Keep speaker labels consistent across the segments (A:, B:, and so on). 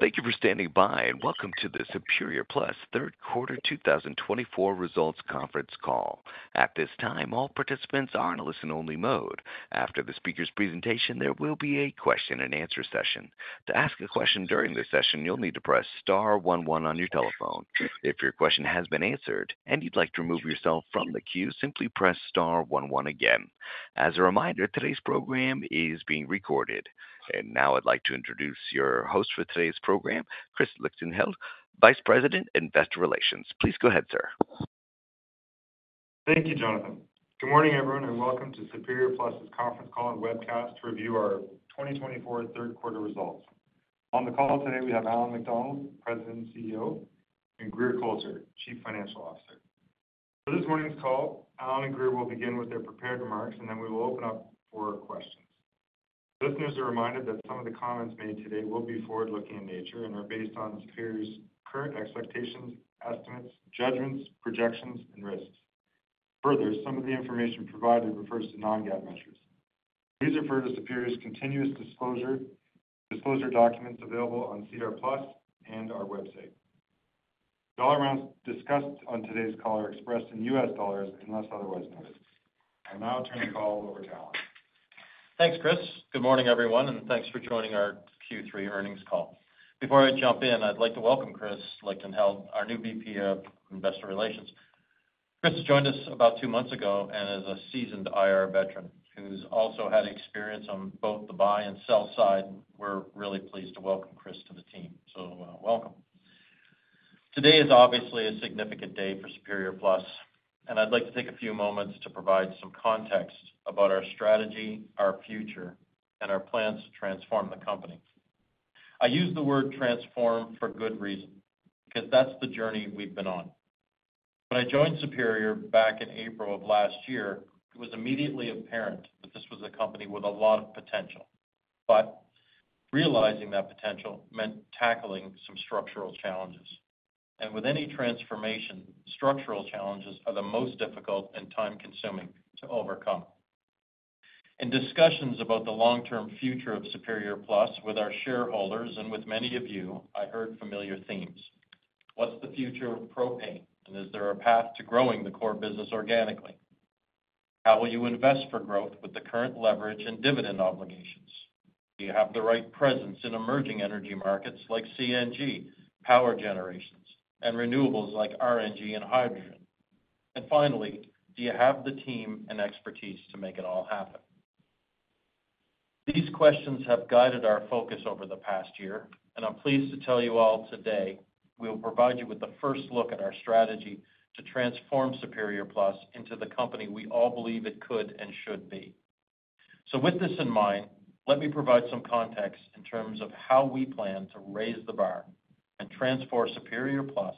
A: Thank you for standing by, and welcome to the Superior Plus third quarter 2024 results conference call. At this time, all participants are in a listen-only mode. After the speaker's presentation, there will be a question-and-answer session. To ask a question during this session, you'll need to press star 11 on your telephone. If your question has been answered and you'd like to remove yourself from the queue, simply press star 11 again. As a reminder, today's program is being recorded. And now I'd like to introduce your host for today's program, Chris Lichtenheldt, Vice President, Investor Relations. Please go ahead, sir.
B: Thank you, Jonathan. Good morning, everyone, and welcome to Superior Plus' conference call and webcast to review our 2024 third quarter results. On the call today, we have Allan MacDonald, President and CEO, and Grier Colter, Chief Financial Officer. For this morning's call, Allan and Grier will begin with their prepared remarks, and then we will open up for questions. Listeners are reminded that some of the comments made today will be forward-looking in nature and are based on Superior's current expectations, estimates, judgments, projections, and risks. Further, some of the information provided refers to non-GAAP measures. Please refer to Superior's continuous disclosure documents available on SEDAR+ and our website. All amounts discussed on today's call are expressed in U.S. dollars unless otherwise noted. I'll now turn the call over to Allan.
C: Thanks, Chris. Good morning, everyone, and thanks for joining our Q3 earnings call. Before I jump in, I'd like to welcome Chris Lichtenheldt, our new VP of Investor Relations. Chris joined us about two months ago and is a seasoned IR veteran who's also had experience on both the buy and sell side. We're really pleased to welcome Chris to the team. So welcome. Today is obviously a significant day for Superior Plus, and I'd like to take a few moments to provide some context about our strategy, our future, and our plans to transform the company. I use the word transform for good reason because that's the journey we've been on. When I joined Superior back in April of last year, it was immediately apparent that this was a company with a lot of potential. But realizing that potential meant tackling some structural challenges. And with any transformation, structural challenges are the most difficult and time-consuming to overcome. In discussions about the long-term future of Superior Plus with our shareholders and with many of you, I heard familiar themes. What's the future of propane? And is there a path to growing the core business organically? How will you invest for growth with the current leverage and dividend obligations? Do you have the right presence in emerging energy markets like CNG, power generations, and renewables like RNG and hydrogen? And finally, do you have the team and expertise to make it all happen? These questions have guided our focus over the past year, and I'm pleased to tell you all today we will provide you with the first look at our strategy to transform Superior Plus into the company we all believe it could and should be. With this in mind, let me provide some context in terms of how we plan to raise the bar and transform Superior Plus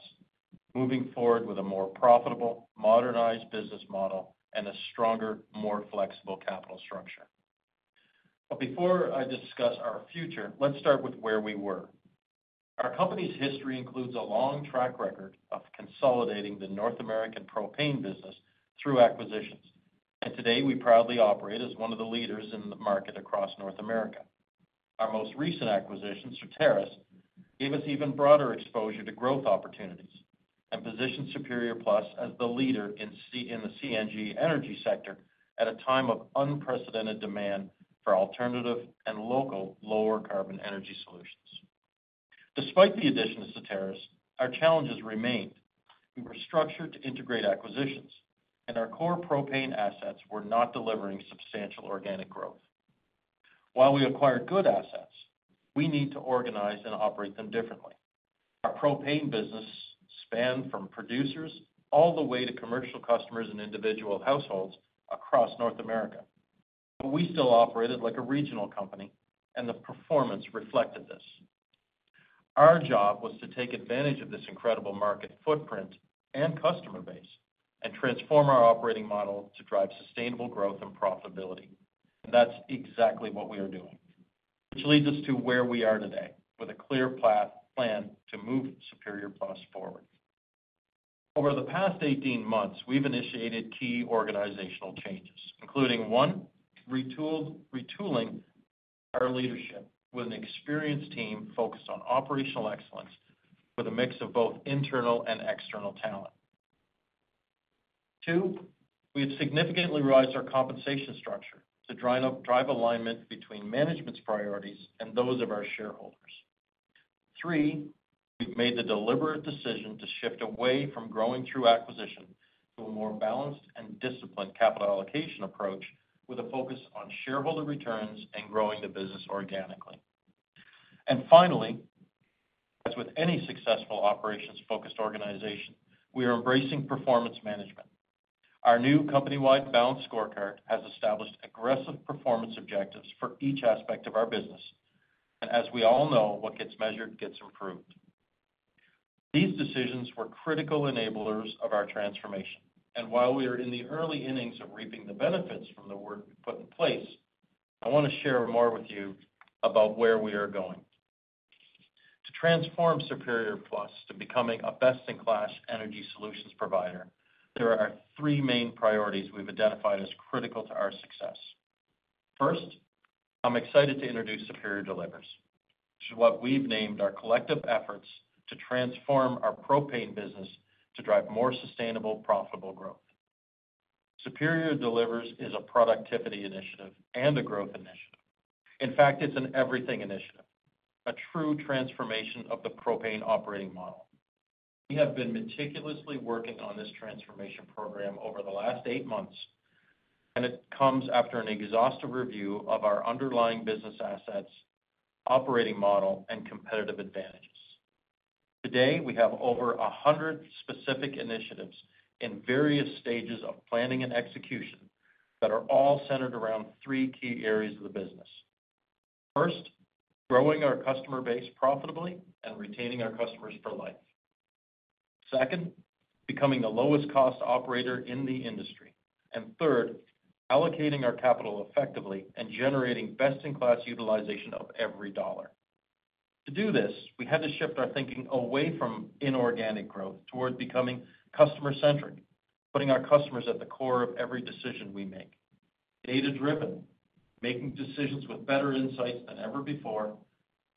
C: moving forward with a more profitable, modernized business model and a stronger, more flexible capital structure. But before I discuss our future, let's start with where we were. Our company's history includes a long track record of consolidating the North American propane business through acquisitions, and today we proudly operate as one of the leaders in the market across North America. Our most recent acquisition, Certarus, gave us even broader exposure to growth opportunities and positioned Superior Plus as the leader in the CNG energy sector at a time of unprecedented demand for alternative and local lower-carbon energy solutions. Despite the addition of Certarus, our challenges remained. We were structured to integrate acquisitions, and our core propane assets were not delivering substantial organic growth. While we acquired good assets, we need to organize and operate them differently. Our propane business spanned from producers all the way to commercial customers and individual households across North America, but we still operated like a regional company, and the performance reflected this. Our job was to take advantage of this incredible market footprint and customer base and transform our operating model to drive sustainable growth and profitability, and that's exactly what we are doing, which leads us to where we are today with a clear plan to move Superior Plus forward. Over the past 18 months, we've initiated key organizational changes, including one, retooling our leadership with an experienced team focused on operational excellence with a mix of both internal and external talent. Two, we have significantly revised our compensation structure to drive alignment between management's priorities and those of our shareholders. Three, we've made the deliberate decision to shift away from growing through acquisition to a more balanced and disciplined capital allocation approach with a focus on shareholder returns and growing the business organically. And finally, as with any successful operations-focused organization, we are embracing performance management. Our new company-wide Balanced Scorecard has established aggressive performance objectives for each aspect of our business. And as we all know, what gets measured gets improved. These decisions were critical enablers of our transformation. And while we are in the early innings of reaping the benefits from the work we put in place, I want to share more with you about where we are going. To transform Superior Plus to becoming a best-in-class energy solutions provider, there are three main priorities we've identified as critical to our success. First, I'm excited to introduce Superior Delivers, which is what we've named our collective efforts to transform our propane business to drive more sustainable, profitable growth. Superior Delivers is a productivity initiative and a growth initiative. In fact, it's an everything initiative, a true transformation of the propane operating model. We have been meticulously working on this transformation program over the last eight months, and it comes after an exhaustive review of our underlying business assets, operating model, and competitive advantages. Today, we have over 100 specific initiatives in various stages of planning and execution that are all centered around three key areas of the business. First, growing our customer base profitably and retaining our customers for life. Second, becoming the lowest-cost operator in the industry. And third, allocating our capital effectively and generating best-in-class utilization of every dollar. To do this, we had to shift our thinking away from inorganic growth toward becoming customer-centric, putting our customers at the core of every decision we make. Data-driven, making decisions with better insights than ever before,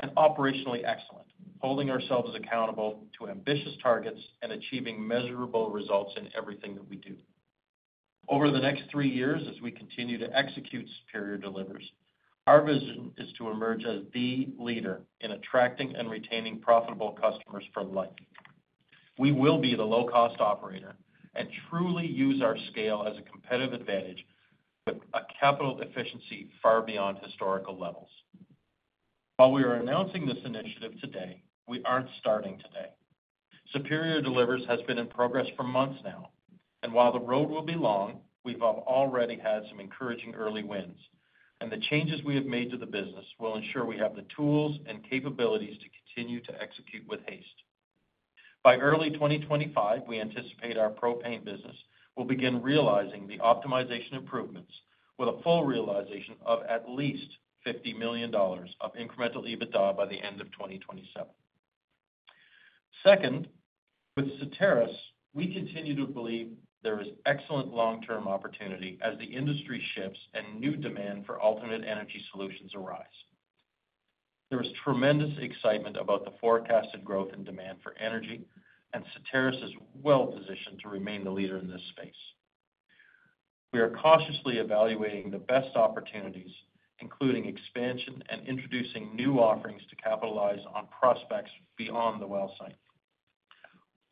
C: and operationally excellent, holding ourselves accountable to ambitious targets and achieving measurable results in everything that we do. Over the next three years, as we continue to execute Superior Delivers, our vision is to emerge as the leader in attracting and retaining profitable customers for life. We will be the low-cost operator and truly use our scale as a competitive advantage with a capital efficiency far beyond historical levels. While we are announcing this initiative today, we aren't starting today. Superior Delivers has been in progress for months now, and while the road will be long, we've already had some encouraging early wins. The changes we have made to the business will ensure we have the tools and capabilities to continue to execute with haste. By early 2025, we anticipate our propane business will begin realizing the optimization improvements with a full realization of at least $50 million of incremental EBITDA by the end of 2027. Second, with Certarus, we continue to believe there is excellent long-term opportunity as the industry shifts and new demand for alternate energy solutions arise. There is tremendous excitement about the forecasted growth in demand for energy, and Certarus is well-positioned to remain the leader in this space. We are cautiously evaluating the best opportunities, including expansion and introducing new offerings to capitalize on prospects beyond the well site.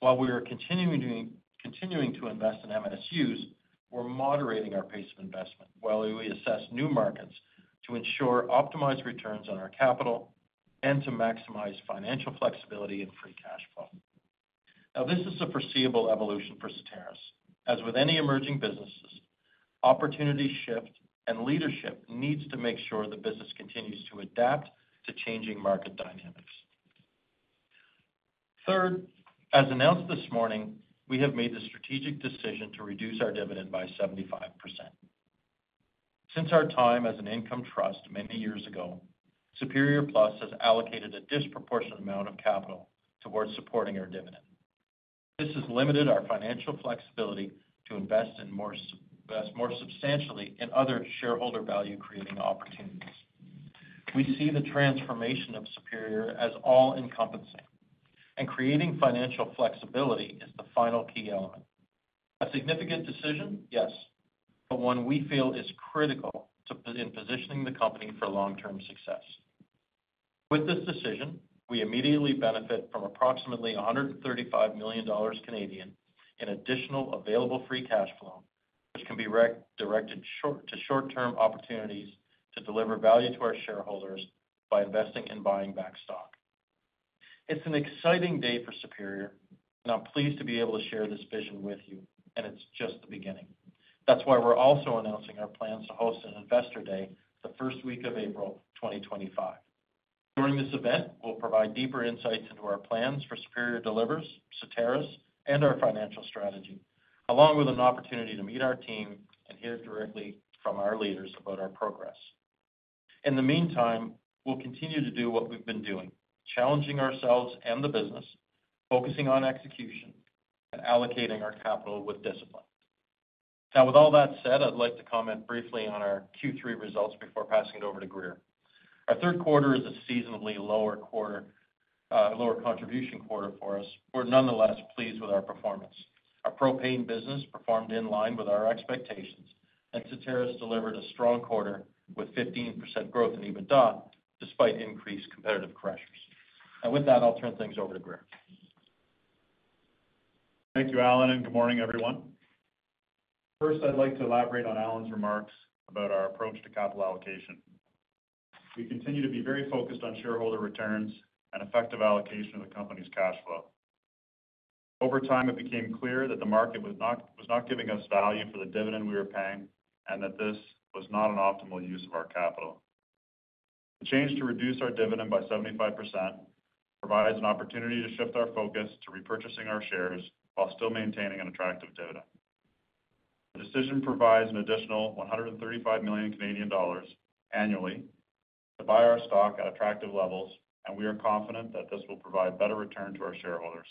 C: While we are continuing to invest in MSUs, we're moderating our pace of investment while we assess new markets to ensure optimized returns on our capital and to maximize financial flexibility and free cash flow. Now, this is a foreseeable evolution for Certarus. As with any emerging businesses, opportunities shift, and leadership needs to make sure the business continues to adapt to changing market dynamics. Third, as announced this morning, we have made the strategic decision to reduce our dividend by 75%. Since our time as an income trust many years ago, Superior Plus has allocated a disproportionate amount of capital towards supporting our dividend. This has limited our financial flexibility to invest more substantially in other shareholder value-creating opportunities. We see the transformation of Superior as all-encompassing, and creating financial flexibility is the final key element. A significant decision, yes, but one we feel is critical in positioning the company for long-term success. With this decision, we immediately benefit from approximately 135 million Canadian dollars in additional available free cash flow, which can be directed to short-term opportunities to deliver value to our shareholders by investing and buying back stock. It's an exciting day for Superior, and I'm pleased to be able to share this vision with you, and it's just the beginning. That's why we're also announcing our plans to host an Investor Day the first week of April 2025. During this event, we'll provide deeper insights into our plans for Superior Delivers, Certarus, and our financial strategy, along with an opportunity to meet our team and hear directly from our leaders about our progress. In the meantime, we'll continue to do what we've been doing, challenging ourselves and the business, focusing on execution, and allocating our capital with discipline. Now, with all that said, I'd like to comment briefly on our Q3 results before passing it over to Grier. Our third quarter is a seasonally lower contribution quarter for us. We're nonetheless pleased with our performance. Our propane business performed in line with our expectations, and Certarus delivered a strong quarter with 15% growth in EBITDA despite increased competitive pressures. And with that, I'll turn things over to Grier.
D: Thank you, Allan, and good morning, everyone. First, I'd like to elaborate on Allan's remarks about our approach to capital allocation. We continue to be very focused on shareholder returns and effective allocation of the company's cash flow. Over time, it became clear that the market was not giving us value for the dividend we were paying and that this was not an optimal use of our capital. The change to reduce our dividend by 75% provides an opportunity to shift our focus to repurchasing our shares while still maintaining an attractive dividend. The decision provides an additional 135 million Canadian dollars annually to buy our stock at attractive levels, and we are confident that this will provide better returns to our shareholders,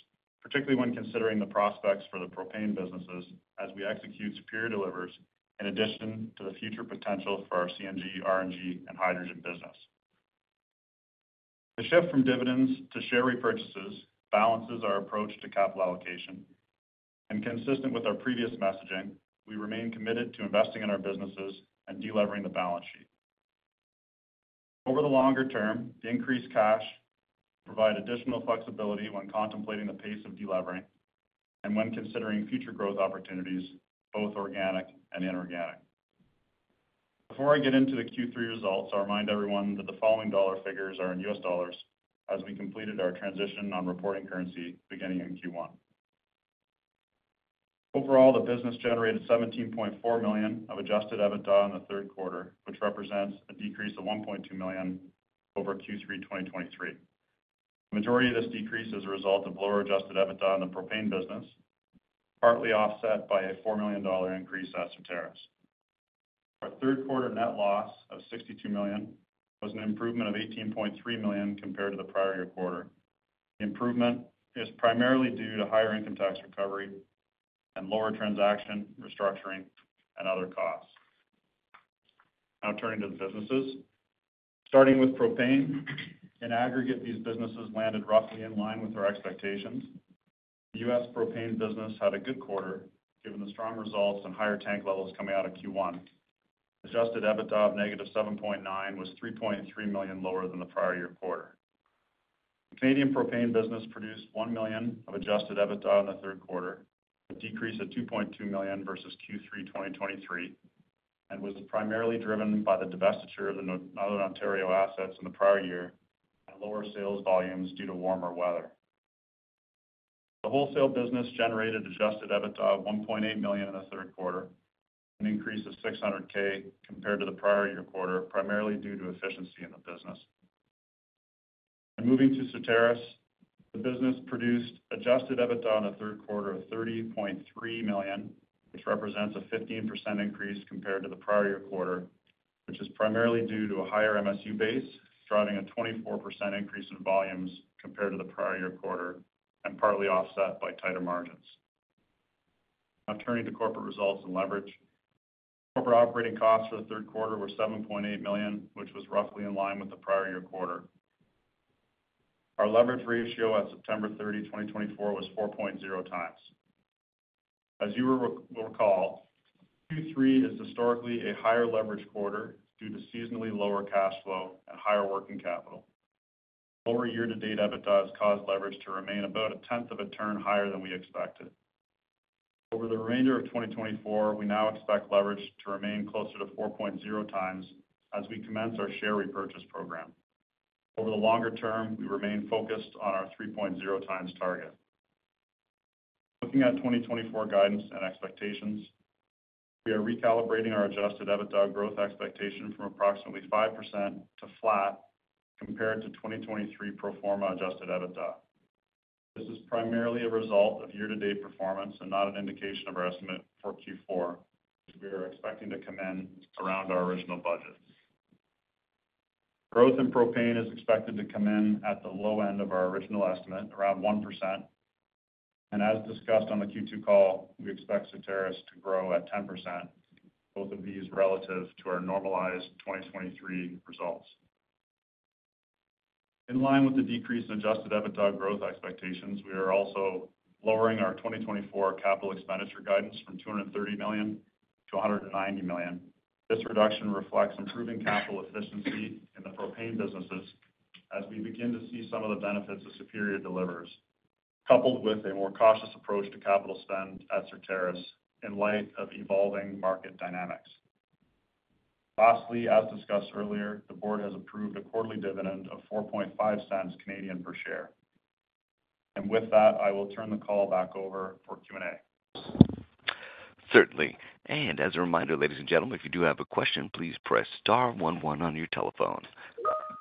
D: particularly when considering the prospects for the propane businesses as we execute Superior Delivers in addition to the future potential for our CNG, RNG, and hydrogen business. The shift from dividends to share repurchases balances our approach to capital allocation. And consistent with our previous messaging, we remain committed to investing in our businesses and delevering the balance sheet. Over the longer term, the increased cash provides additional flexibility when contemplating the pace of delevering and when considering future growth opportunities, both organic and inorganic. Before I get into the Q3 results, I remind everyone that the following dollar figures are in US dollars as we completed our transition on reporting currency beginning in Q1. Overall, the business generated $17.4 million of Adjusted EBITDA in the third quarter, which represents a decrease of $1.2 million over Q3 2023. The majority of this decrease is a result of lower Adjusted EBITDA in the propane business, partly offset by a $4 million increase at Certarus. Our third quarter net loss of $62 million was an improvement of $18.3 million compared to the prior quarter. The improvement is primarily due to higher income tax recovery and lower transaction restructuring and other costs. Now, turning to the businesses. Starting with propane, in aggregate, these businesses landed roughly in line with our expectations. The U.S. propane business had a good quarter given the strong results and higher tank levels coming out of Q1. Adjusted EBITDA of negative 7.9 million was 3.3 million lower than the prior year quarter. The Canadian propane business produced one million of Adjusted EBITDA in the third quarter, a decrease of 2.2 million versus Q3 2023, and was primarily driven by the divestiture of the Northern Ontario assets in the prior year and lower sales volumes due to warmer weather. The wholesale business generated Adjusted EBITDA of 1.8 million in the third quarter, an increase of 600,000 compared to the prior year quarter, primarily due to efficiency in the business. Moving to Certarus, the business produced Adjusted EBITDA in the third quarter of 30.3 million, which represents a 15% increase compared to the prior year quarter, which is primarily due to a higher MSU base, driving a 24% increase in volumes compared to the prior year quarter, and partly offset by tighter margins. Now, turning to corporate results and leverage. Corporate operating costs for the third quarter were 7.8 million, which was roughly in line with the prior year quarter. Our leverage ratio at September 30, 2024, was 4.0 times. As you will recall, Q3 is historically a higher leverage quarter due to seasonally lower cash flow and higher working capital. Lower year-to-date EBITDA has caused leverage to remain about a tenth of a turn higher than we expected. Over the remainder of 2024, we now expect leverage to remain closer to 4.0 times as we commence our share repurchase program. Over the longer term, we remain focused on our 3.0 times target. Looking at 2024 guidance and expectations, we are recalibrating our Adjusted EBITDA growth expectation from approximately 5% to flat compared to 2023 pro forma Adjusted EBITDA. This is primarily a result of year-to-date performance and not an indication of our estimate for Q4, which we are expecting to come in around our original budget. Growth in propane is expected to come in at the low end of our original estimate, around 1%. And as discussed on the Q2 call, we expect Certarus to grow at 10%, both of these relative to our normalized 2023 results. In line with the decrease in Adjusted EBITDA growth expectations, we are also lowering our 2024 capital expenditure guidance from 230 million to 190 million. This reduction reflects improving capital efficiency in the propane businesses as we begin to see some of the benefits of Superior Delivers, coupled with a more cautious approach to capital spend at Certarus in light of evolving market dynamics. Lastly, as discussed earlier, the board has approved a quarterly dividend of 0.045 per share. With that, I will turn the call back over for Q&A.
A: Certainly. And as a reminder, ladies and gentlemen, if you do have a question, please press star 11 on your telephone.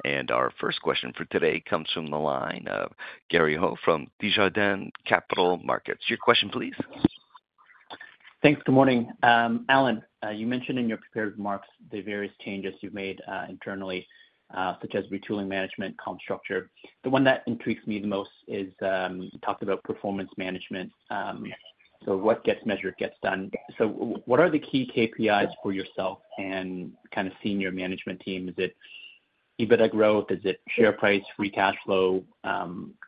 A: And our first question for today comes from the line of Gary Ho from Desjardins Capital Markets. Your question, please.
E: Thanks. Good morning. Allan, you mentioned in your prepared remarks the various changes you've made internally, such as retooling management, comp structure. The one that intrigues me the most is you talked about performance management. So what gets measured, gets done. So what are the key KPIs for yourself and kind of seeing your management team? Is it EBITDA growth? Is it share price, free cash flow?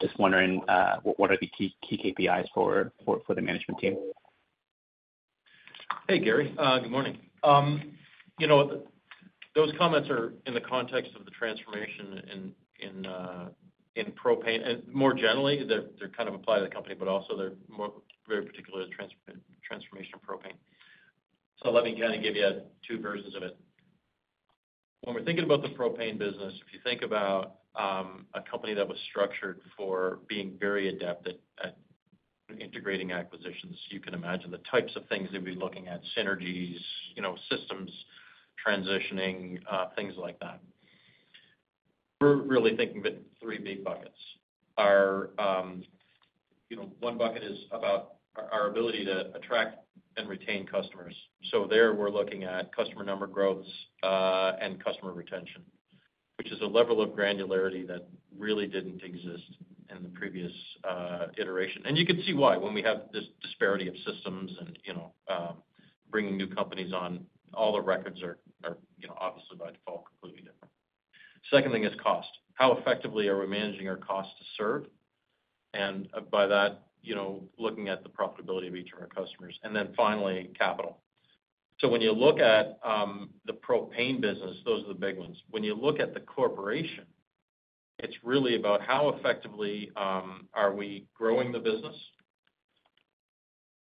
E: Just wondering, what are the key KPIs for the management team?
C: Hey, Gary. Good morning. Those comments are in the context of the transformation in propane. And more generally, they're kind of applied to the company, but also they're very particular to the transformation of propane. So let me kind of give you two versions of it. When we're thinking about the propane business, if you think about a company that was structured for being very adept at integrating acquisitions, you can imagine the types of things they'd be looking at: synergies, systems, transitioning, things like that. We're really thinking of it in three big buckets. One bucket is about our ability to attract and retain customers. So there, we're looking at customer number growths and customer retention, which is a level of granularity that really didn't exist in the previous iteration. And you can see why. When we have this disparity of systems and bringing new companies on, all the records are obviously by default completely different. Second thing is cost. How effectively are we managing our cost to serve? And by that, looking at the profitability of each of our customers. And then finally, capital. So when you look at the propane business, those are the big ones. When you look at the corporation, it's really about how effectively are we growing the business.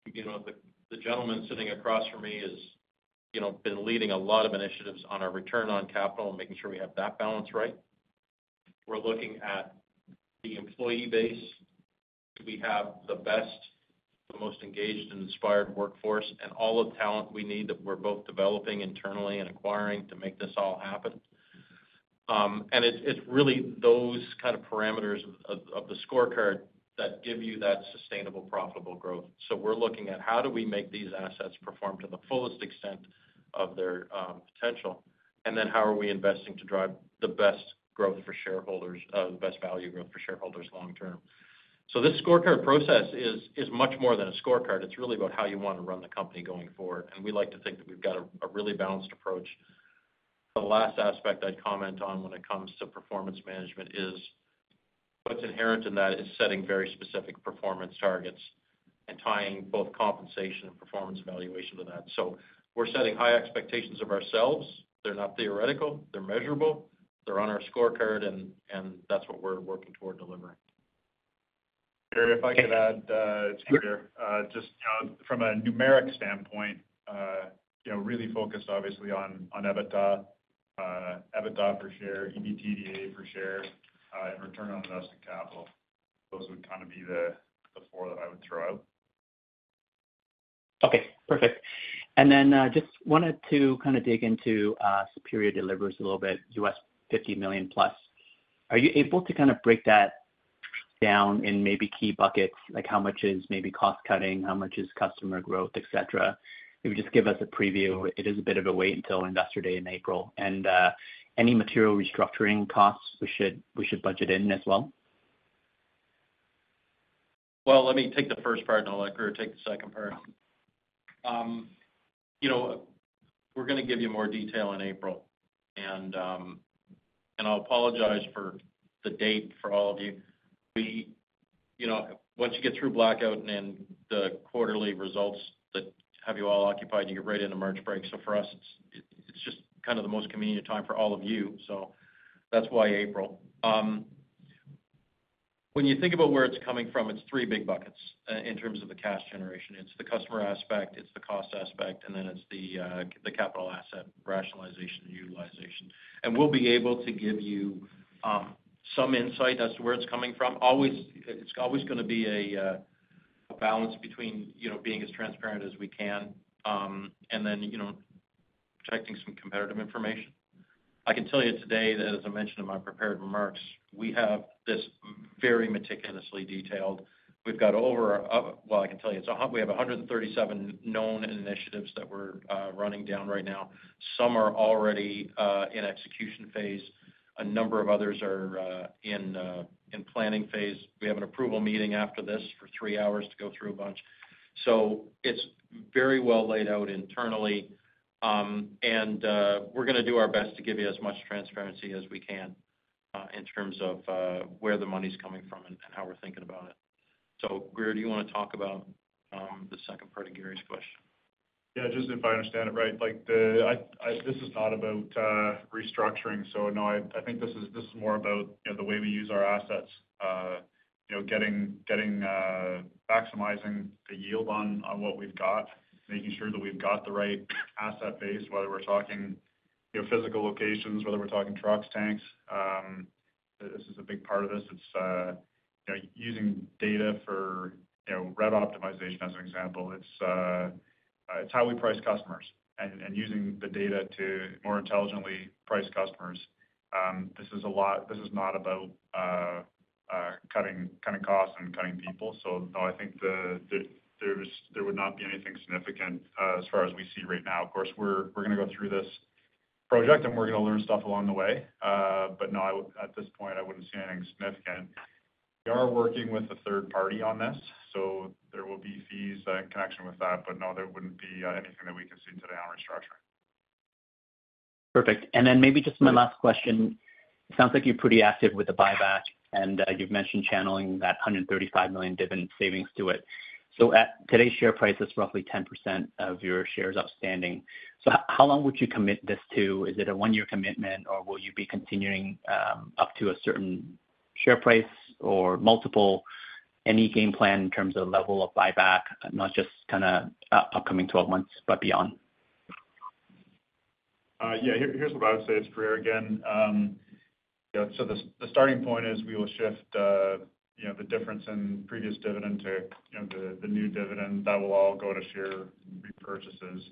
C: The gentleman sitting across from me has been leading a lot of initiatives on our return on capital and making sure we have that balance right. We're looking at the employee base. Do we have the best, the most engaged, and inspired workforce and all the talent we need that we're both developing internally and acquiring to make this all happen? It's really those kind of parameters of the scorecard that give you that sustainable, profitable growth. We're looking at how do we make these assets perform to the fullest extent of their potential, and then how are we investing to drive the best growth for shareholders, the best value growth for shareholders long-term? This scorecard process is much more than a scorecard. It's really about how you want to run the company going forward. We like to think that we've got a really balanced approach. The last aspect I'd comment on when it comes to performance management is what's inherent in that is setting very specific performance targets and tying both compensation and performance evaluation to that. We're setting high expectations of ourselves. They're not theoretical. They're measurable. They're on our scorecard, and that's what we're working toward delevering. Gary, if I could add, it's here. Just from a numeric standpoint, really focused, obviously, on EBITDA, EBITDA per share, EBITDA per share, and return on invested capital. Those would kind of be the four that I would throw out.
E: Okay. Perfect. And then just wanted to kind of dig into Superior Delivers a little bit, $50 million plus. Are you able to kind of break that down in maybe key buckets? Like how much is maybe cost cutting? How much is customer growth, etc.? If you just give us a preview, it is a bit of a wait until Investor Day in April. And any material restructuring costs, we should budget in as well?
C: Let me take the first part, and I'll let Grier take the second part. We're going to give you more detail in April. I'll apologize for the date for all of you. Once you get through blackout and the quarterly results that have you all occupied, you get right into March break. For us, it's just kind of the most convenient time for all of you. That's why April. When you think about where it's coming from, it's three big buckets in terms of the cash generation. It's the customer aspect. It's the cost aspect. Then it's the capital asset rationalization and utilization. We'll be able to give you some insight as to where it's coming from. It's always going to be a balance between being as transparent as we can and then protecting some competitive information. I can tell you today that, as I mentioned in my prepared remarks, we have this very meticulously detailed. We've got over, well, I can tell you, we have 137 known initiatives that we're running down right now. Some are already in execution phase. A number of others are in planning phase. We have an approval meeting after this for three hours to go through a bunch. So it's very well laid out internally, and we're going to do our best to give you as much transparency as we can in terms of where the money's coming from and how we're thinking about it, so Grier, do you want to talk about the second part of Grier's question? Yeah. Just if I understand it right, this is not about restructuring. So no, I think this is more about the way we use our assets, getting maximizing the yield on what we've got, making sure that we've got the right asset base, whether we're talking physical locations, whether we're talking trucks, tanks. This is a big part of this. It's using data for route optimization as an example. It's how we price customers and using the data to more intelligently price customers. This is not about cutting costs and cutting people. So no, I think there would not be anything significant as far as we see right now. Of course, we're going to go through this project, and we're going to learn stuff along the way. But no, at this point, I wouldn't see anything significant. We are working with a third party on this. So there will be fees in connection with that. But no, there wouldn't be anything that we can see today on restructuring.
E: Perfect. And then maybe just my last question. It sounds like you're pretty active with the buyback, and you've mentioned channeling that 135 million dividend savings to it. So today's share price is roughly 10% of your shares outstanding. So how long would you commit this to? Is it a one-year commitment, or will you be continuing up to a certain share price or multiple? Any game plan in terms of level of buyback, not just kind of upcoming 12 months, but beyond?
D: Yeah. Here's what I would say, it's Grier again. So the starting point is we will shift the difference in previous dividend to the new dividend. That will all go to share repurchases.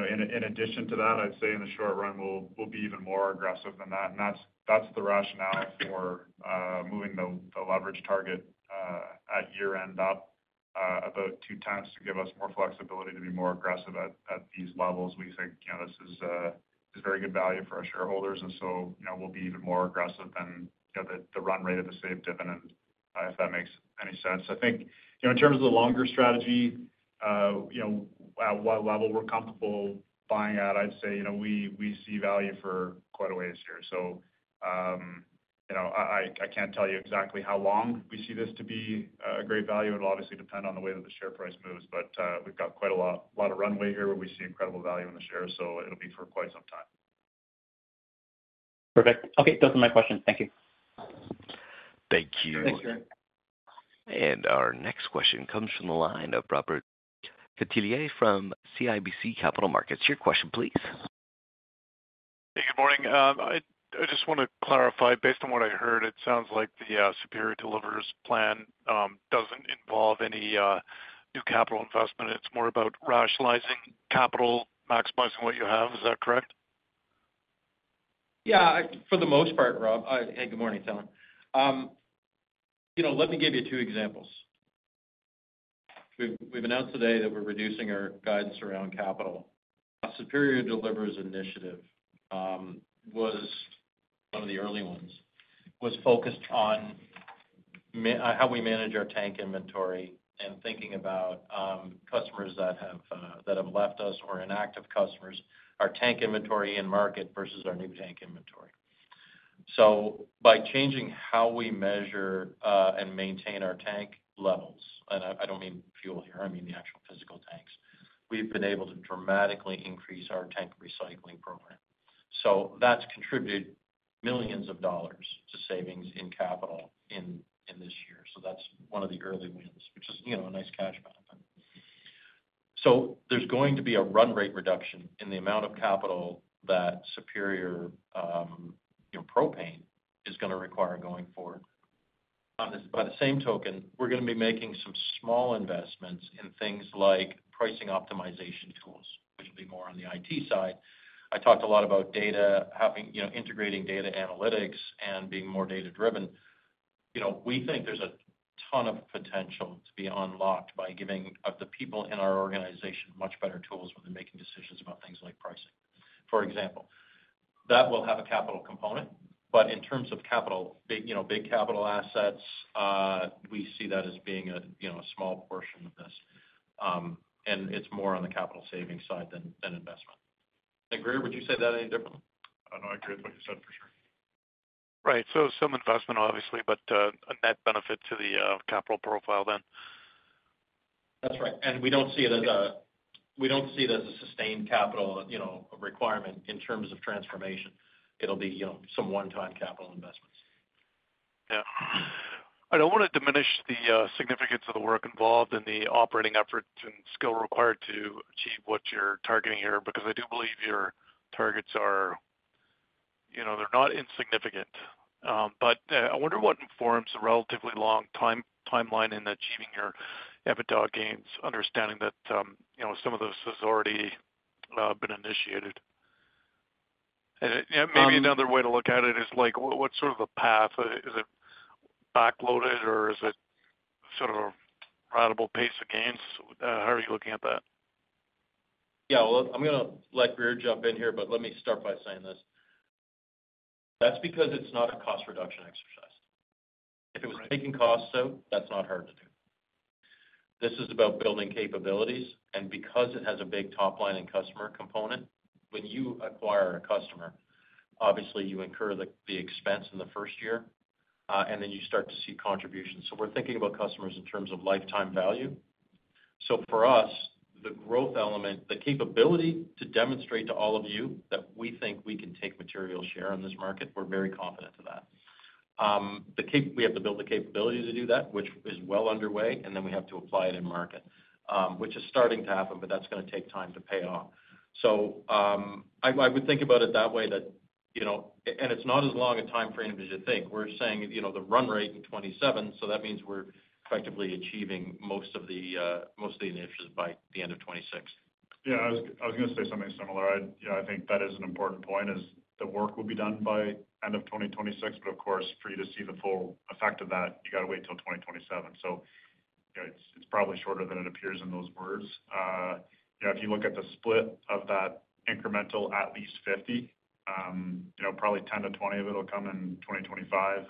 D: In addition to that, I'd say in the short run, we'll be even more aggressive than that. And that's the rationale for moving the leverage target at year-end up about two times to give us more flexibility to be more aggressive at these levels. We think this is very good value for our shareholders. And so we'll be even more aggressive than the run rate of the saved dividend, if that makes any sense. I think in terms of the longer strategy, at what level we're comfortable buying at, I'd say we see value for quite a ways here. So I can't tell you exactly how long we see this to be a great value. It'll obviously depend on the way that the share price moves. But we've got quite a lot of runway here where we see incredible value in the shares. So it'll be for quite some time.
E: Perfect. Okay. Those are my questions. Thank you.
A: Thank you.
D: Thanks, Gary.
A: And our next question comes from the line of Robert Catellier from CIBC Capital Markets. Your question, please.
F: Hey, good morning. I just want to clarify. Based on what I heard, it sounds like the Superior Delivers plan doesn't involve any new capital investment. It's more about rationalizing capital, maximizing what you have. Is that correct?
C: Yeah. For the most part, Rob. Hey, good morning, Tom. Let me give you two examples. We've announced today that we're reducing our guidance around capital. Superior Delivers initiative was one of the early ones, was focused on how we manage our tank inventory and thinking about customers that have left us or inactive customers, our tank inventory in market versus our new tank inventory. So by changing how we measure and maintain our tank levels, and I don't mean fuel here, I mean the actual physical tanks, we've been able to dramatically increase our tank recycling program. So that's contributed millions of dollars to savings in capital in this year, so that's one of the early wins, which is a nice cash bump. So there's going to be a run rate reduction in the amount of capital that Superior Propane is going to require going forward. By the same token, we're going to be making some small investments in things like pricing optimization tools, which will be more on the IT side. I talked a lot about data, integrating data analytics, and being more data-driven. We think there's a ton of potential to be unlocked by giving the people in our organization much better tools when they're making decisions about things like pricing, for example. That will have a capital component. But in terms of capital, big capital assets, we see that as being a small portion of this. And it's more on the capital savings side than investment. And Grier, would you say that any differently?
D: I know I agree with what you said for sure.
F: Right. So some investment, obviously, but a net benefit to the capital profile then.
C: That's right, and we don't see it as a sustained capital requirement in terms of transformation. It'll be some one-time capital investments.
F: Yeah. I don't want to diminish the significance of the work involved in the operating efforts and skill required to achieve what you're targeting here because I do believe your targets are. They're not insignificant. But I wonder what informs the relatively long timeline in achieving your EBITDA gains, understanding that some of this has already been initiated. And maybe another way to look at it is what's sort of the path? Is it backloaded, or is it sort of a ratable pace of gains? How are you looking at that?
C: Yeah. Well, I'm going to let Grier jump in here, but let me start by saying this. That's because it's not a cost reduction exercise. If it was taking costs, though, that's not hard to do. This is about building capabilities and because it has a big top line and customer component, when you acquire a customer, obviously, you incur the expense in the first year, and then you start to see contributions. So we're thinking about customers in terms of lifetime value. So for us, the growth element, the capability to demonstrate to all of you that we think we can take material share in this market, we're very confident in that. We have to build the capability to do that, which is well underway, and then we have to apply it in market, which is starting to happen, but that's going to take time to pay off. So I would think about it that way, and it's not as long a timeframe as you think. We're saying the run rate in 2027, so that means we're effectively achieving most of the initiatives by the end of 2026.
D: Yeah. I was going to say something similar. I think that is an important point, is the work will be done by end of 2026. But of course, for you to see the full effect of that, you got to wait till 2027. So it's probably shorter than it appears in those words. If you look at the split of that incremental at least 50, probably 10 to 20 of it will come in 2025.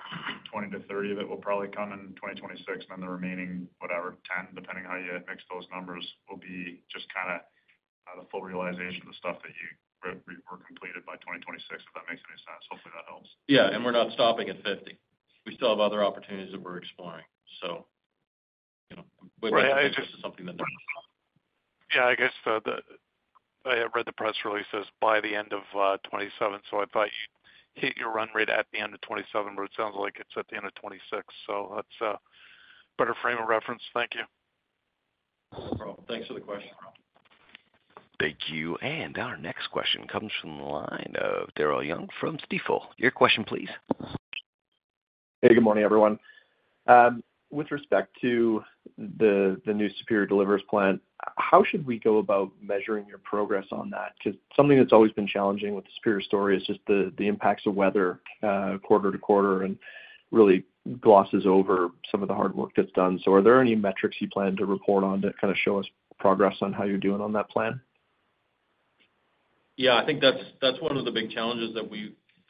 D: 20 to 30 of it will probably come in 2026. And then the remaining, whatever, 10, depending how you mix those numbers, will be just kind of the full realization of the stuff that you were completed by 2026, if that makes any sense. Hopefully, that helps.
C: Yeah, and we're not stopping at 50. We still have other opportunities that we're exploring, so we're just at something that needs to stop.
F: Yeah. I guess I had read the press release as by the end of 2027, so I thought you hit your run rate at the end of 2027, but it sounds like it's at the end of 2026, so that's a better frame of reference. Thank you.
C: No problem. Thanks for the question, Rob.
A: Thank you. And our next question comes from the line of Daryl Young from Stifel. Your question, please.
G: Hey, good morning, everyone. With respect to the new Superior Delivers plan, how should we go about measuring your progress on that? Because something that's always been challenging with the Superior story is just the impacts of weather quarter to quarter and really glosses over some of the hard work that's done. So are there any metrics you plan to report on to kind of show us progress on how you're doing on that plan?
C: Yeah. I think that's one of the big challenges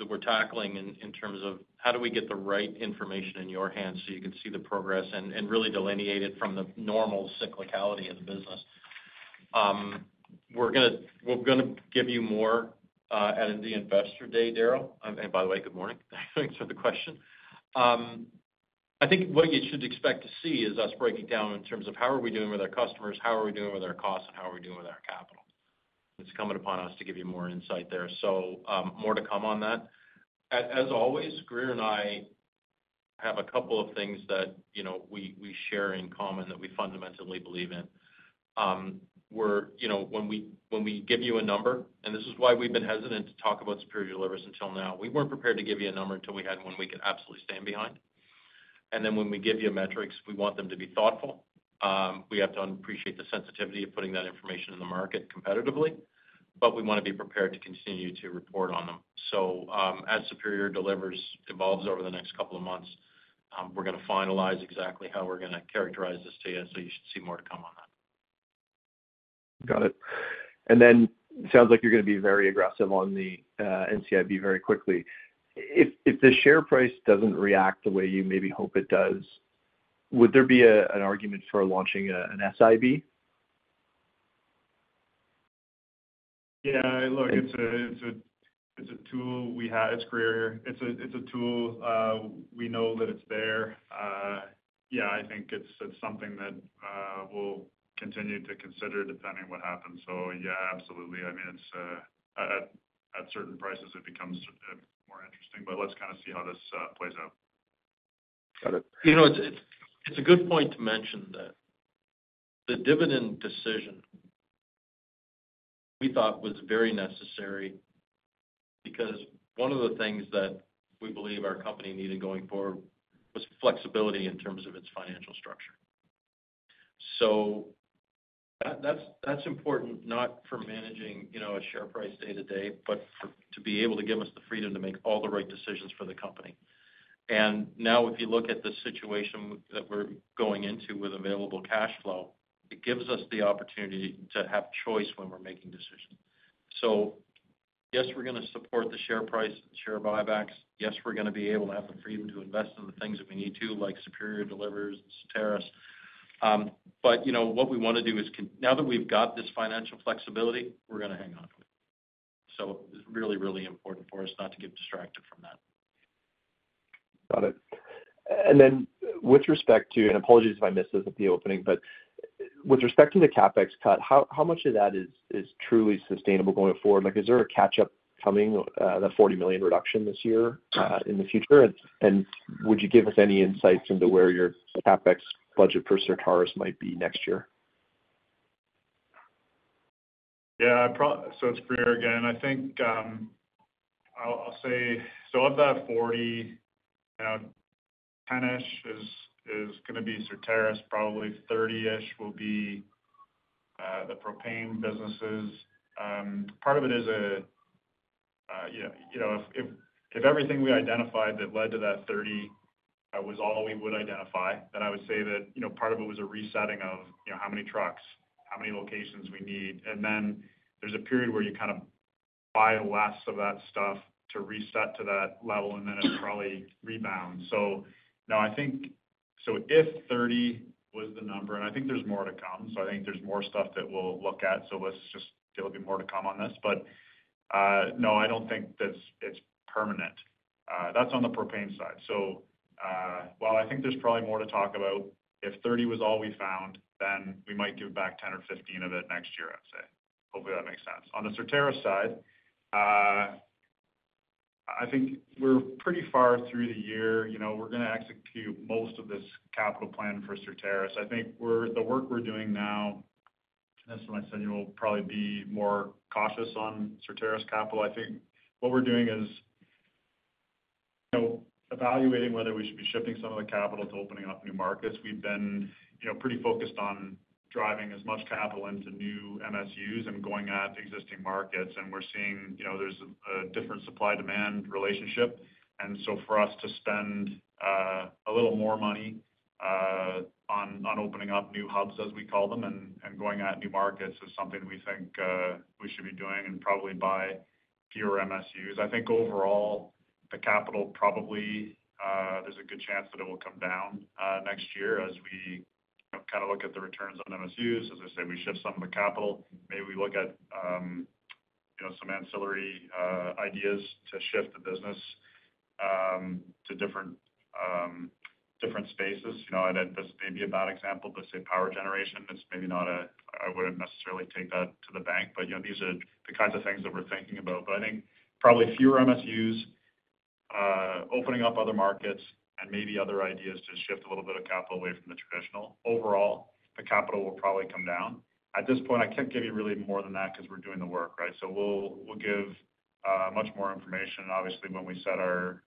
C: that we're tackling in terms of how do we get the right information in your hands so you can see the progress and really delineate it from the normal cyclicality of the business. We're going to give you more at the Investor Day, Daryl. And by the way, good morning. Thanks for the question. I think what you should expect to see is us breaking down in terms of how are we doing with our customers, how are we doing with our costs, and how are we doing with our capital. It's coming upon us to give you more insight there. So more to come on that. As always, Grier and I have a couple of things that we share in common that we fundamentally believe in. When we give you a number, and this is why we've been hesitant to talk about Superior Delivers until now, we weren't prepared to give you a number until we had one we could absolutely stand behind, and then when we give you metrics, we want them to be thoughtful. We have to appreciate the sensitivity of putting that information in the market competitively, but we want to be prepared to continue to report on them, so as Superior Delivers evolves over the next couple of months, we're going to finalize exactly how we're going to characterize this to you so you should see more to come on that.
G: Got it. And then it sounds like you're going to be very aggressive on the NCIB very quickly. If the share price doesn't react the way you maybe hope it does, would there be an argument for launching an SIB?
D: Yeah. Look, it's a tool we have. It's Grier. It's a tool. We know that it's there. Yeah. I think it's something that we'll continue to consider depending on what happens. So yeah, absolutely. I mean, at certain prices, it becomes more interesting, but let's kind of see how this plays out.
G: Got it.
C: It's a good point to mention that the dividend decision we thought was very necessary because one of the things that we believe our company needed going forward was flexibility in terms of its financial structure. So that's important, not for managing a share price day-to-day, but to be able to give us the freedom to make all the right decisions for the company, and now, if you look at the situation that we're going into with available cash flow, it gives us the opportunity to have choice when we're making decisions, so yes, we're going to support the share price, the share buybacks. Yes, we're going to be able to have the freedom to invest in the things that we need to, like Superior Delivers, Certarus. But what we want to do is now that we've got this financial flexibility, we're going to hang on to it. So it's really, really important for us not to get distracted from that.
G: Got it. And then with respect to, and apologies if I missed this at the opening, but with respect to the CapEx cut, how much of that is truly sustainable going forward? Is there a catch-up coming, the 40 million reduction this year in the future? And would you give us any insights into where your CapEx budget for Certarus might be next year?
D: Yeah. So it's Grier again. I think I'll say so of that 40, 10-ish is going to be Certarus. Probably 30-ish will be the propane businesses. Part of it is a if everything we identified that led to that 30 was all we would identify, then I would say that part of it was a resetting of how many trucks, how many locations we need. And then there's a period where you kind of buy less of that stuff to reset to that level, and then it'll probably rebound. So no, I think so if 30 was the number, and I think there's more to come. So I think there's more stuff that we'll look at. So let's just get a little bit more to come on this. But no, I don't think it's permanent. That's on the propane side. So while I think there's probably more to talk about, if 30 was all we found, then we might give back 10 or 15 of it next year, I'd say. Hopefully, that makes sense. On the Certarus side, I think we're pretty far through the year. We're going to execute most of this capital plan for Certarus. I think the work we're doing now, and that's what I said, we'll probably be more cautious on Certarus capital. I think what we're doing is evaluating whether we should be shipping some of the capital to opening up new markets. We've been pretty focused on driving as much capital into new MSUs and going at existing markets, and we're seeing there's a different supply-demand relationship. And so, for us to spend a little more money on opening up new hubs, as we call them, and going at new markets is something we think we should be doing and probably buy fewer MSUs. I think overall, the capital probably. There's a good chance that it will come down next year as we kind of look at the returns on MSUs. As I said, we shift some of the capital. Maybe we look at some ancillary ideas to shift the business to different spaces. I know this may be a bad example, but say power generation. It's maybe not. I wouldn't necessarily take that to the bank. But these are the kinds of things that we're thinking about. But I think probably fewer MSUs, opening up other markets, and maybe other ideas to shift a little bit of capital away from the traditional. Overall, the capital will probably come down. At this point, I can't give you really more than that because we're doing the work, right? So we'll give much more information, obviously, when we set our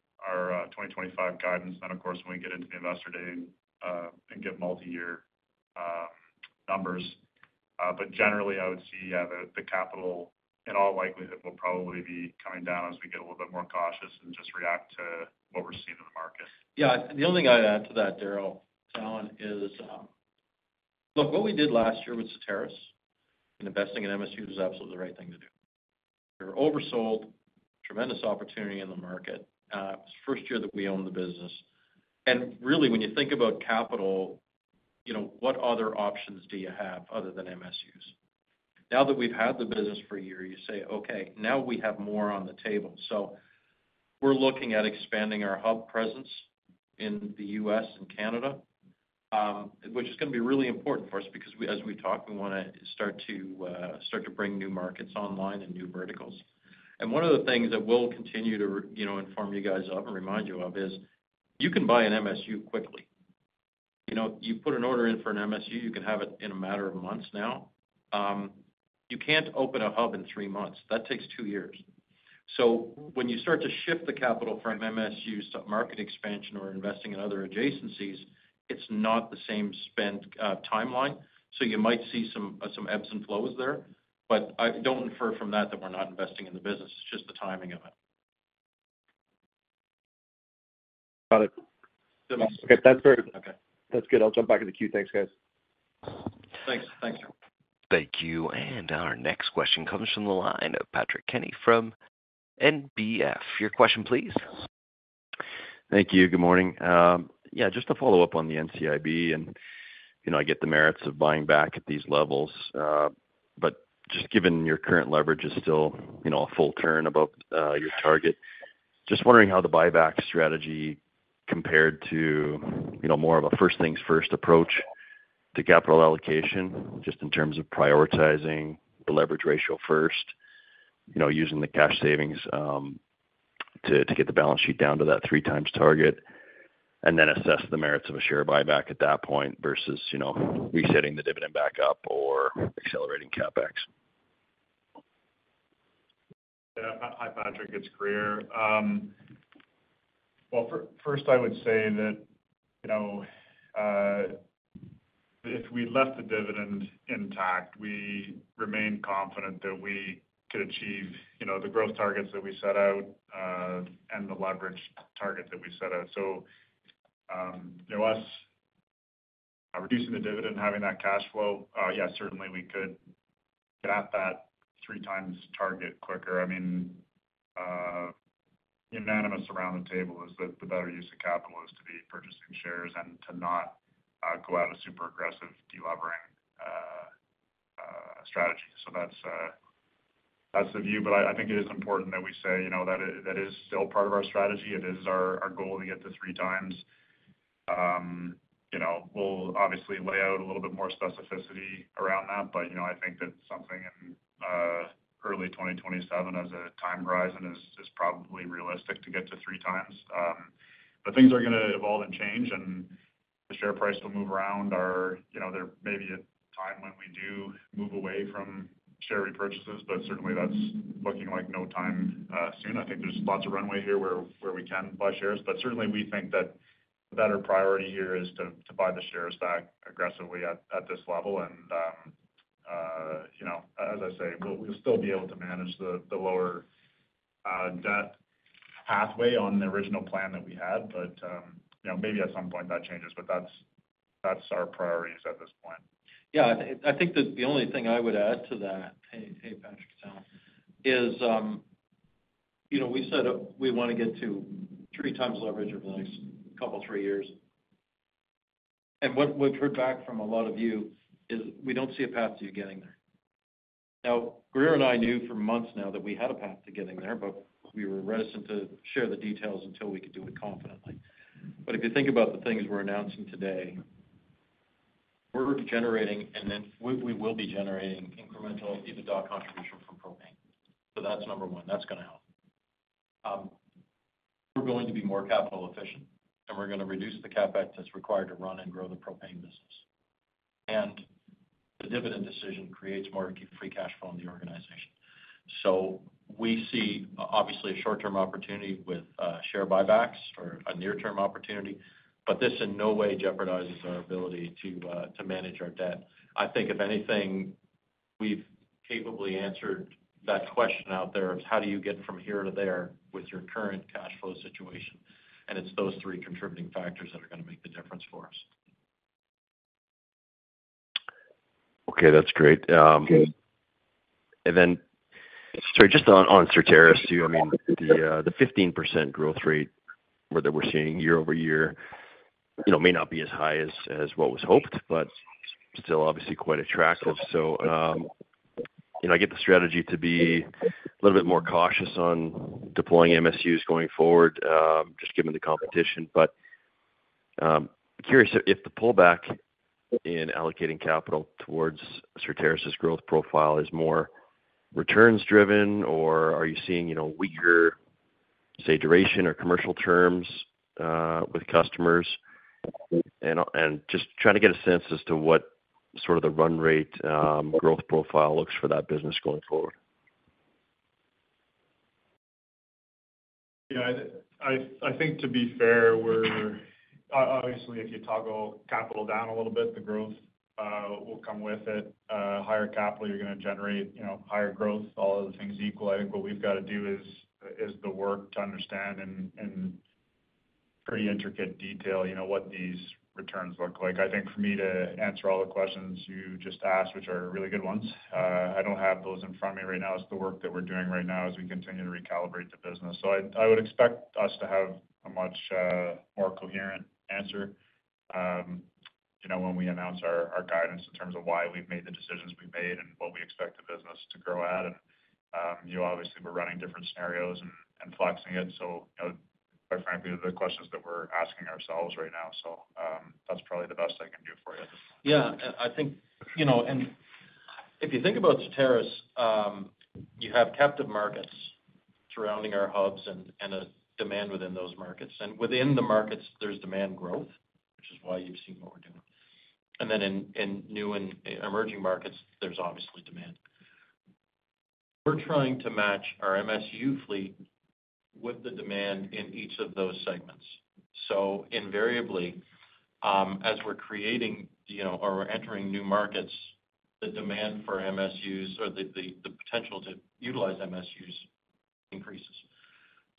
D: 2025 guidance. Then, of course, when we get into the Investor Day and give multi-year numbers. But generally, I would see the capital, in all likelihood, will probably be coming down as we get a little bit more cautious and just react to what we're seeing in the market.
C: Yeah. The only thing I'd add to that, Daryl, Allan, is look, what we did last year with Certarus and investing in MSUs was absolutely the right thing to do. We were oversold, tremendous opportunity in the market. It was the first year that we owned the business. And really, when you think about capital, what other options do you have other than MSUs? Now that we've had the business for a year, you say, "Okay. Now we have more on the table." So we're looking at expanding our hub presence in the U.S. and Canada, which is going to be really important for us because as we talk, we want to start to bring new markets online and new verticals. And one of the things that we'll continue to inform you guys of and remind you of is you can buy an MSU quickly. You put an order in for an MSU, you can have it in a matter of months now. You can't open a hub in three months. That takes two years. So when you start to shift the capital from MSUs to market expansion or investing in other adjacencies, it's not the same spend timeline. So you might see some ebbs and flows there. But I don't infer from that that we're not investing in the business. It's just the timing of it.
G: Got it. Okay. That's good. That's good. I'll jump back in the queue. Thanks, guys.
C: Thanks. Thanks, sir.
A: Thank you. And our next question comes from the line of Patrick Kenny from NBF. Your question, please.
H: Thank you. Good morning. Yeah. Just to follow up on the NCIB, and I get the merits of buying back at these levels. But just given your current leverage is still a full turn above your target, just wondering how the buyback strategy compared to more of a first things first approach to capital allocation, just in terms of prioritizing the leverage ratio first, using the cash savings to get the balance sheet down to that three times target, and then assess the merits of a share buyback at that point versus resetting the dividend back up or accelerating CapEx.
D: Hi, Patrick. It's Grier. Well, first, I would say that if we left the dividend intact, we remain confident that we could achieve the growth targets that we set out and the leverage target that we set out. So us reducing the dividend, having that cash flow, yeah, certainly we could get at that three times target quicker. I mean, unanimous around the table is that the better use of capital is to be purchasing shares and to not go out a super aggressive delevering strategy. So that's the view. But I think it is important that we say that is still part of our strategy. It is our goal to get to three times. We'll obviously lay out a little bit more specificity around that, but I think that something in early 2027 as a time horizon is probably realistic to get to three times. The things are going to evolve and change, and the share price will move around. There may be a time when we do move away from share repurchases, but certainly that's looking like no time soon. I think there's lots of runway here where we can buy shares. But certainly, we think that the better priority here is to buy the shares back aggressively at this level. And as I say, we'll still be able to manage the lower debt pathway on the original plan that we had, but maybe at some point that changes. But that's our priorities at this point.
C: Yeah. I think the only thing I would add to that, hey, Patrick, is we said we want to get to three times leverage over the next couple of three years. And what we've heard back from a lot of you is we don't see a path to you getting there. Now, Grier and I knew for months now that we had a path to getting there, but we were reticent to share the details until we could do it confidently. But if you think about the things we're announcing today, we're generating, and then we will be generating incremental EBITDA contribution from propane. So that's number one. That's going to help. We're going to be more capital efficient, and we're going to reduce the CapEx that's required to run and grow the propane business. And the dividend decision creates more free cash flow in the organization. So we see obviously a short-term opportunity with share buybacks or a near-term opportunity, but this in no way jeopardizes our ability to manage our debt. I think if anything, we've capably answered that question out there of how do you get from here to there with your current cash flow situation. And it's those three contributing factors that are going to make the difference for us.
A: Okay. That's great. And then sorry, just on Certarus too, I mean, the 15% growth rate that we're seeing year over year may not be as high as what was hoped, but still obviously quite attractive. So I get the strategy to be a little bit more cautious on deploying MSUs going forward, just given the competition. But curious, if the pullback in allocating capital towards Certarus's growth profile is more returns-driven, or are you seeing weaker, say, duration or commercial terms with customers? And just trying to get a sense as to what sort of the run rate growth profile looks for that business going forward.
D: Yeah. I think to be fair, obviously, if you toggle capital down a little bit, the growth will come with it. Higher capital, you're going to generate higher growth. All of the things equal. I think what we've got to do is the work to understand in pretty intricate detail what these returns look like. I think for me to answer all the questions you just asked, which are really good ones, I don't have those in front of me right now. It's the work that we're doing right now as we continue to recalibrate the business. So I would expect us to have a much more coherent answer when we announce our guidance in terms of why we've made the decisions we've made and what we expect the business to grow at, and obviously, we're running different scenarios and flexing it. So quite frankly, the questions that we're asking ourselves right now. So that's probably the best I can do for you at this point.
C: Yeah. I think if you think about Certarus, you have captive markets surrounding our hubs and a demand within those markets. And within the markets, there's demand growth, which is why you've seen what we're doing. And then in new and emerging markets, there's obviously demand. We're trying to match our MSU fleet with the demand in each of those segments. So invariably, as we're creating or entering new markets, the demand for MSUs or the potential to utilize MSUs increases.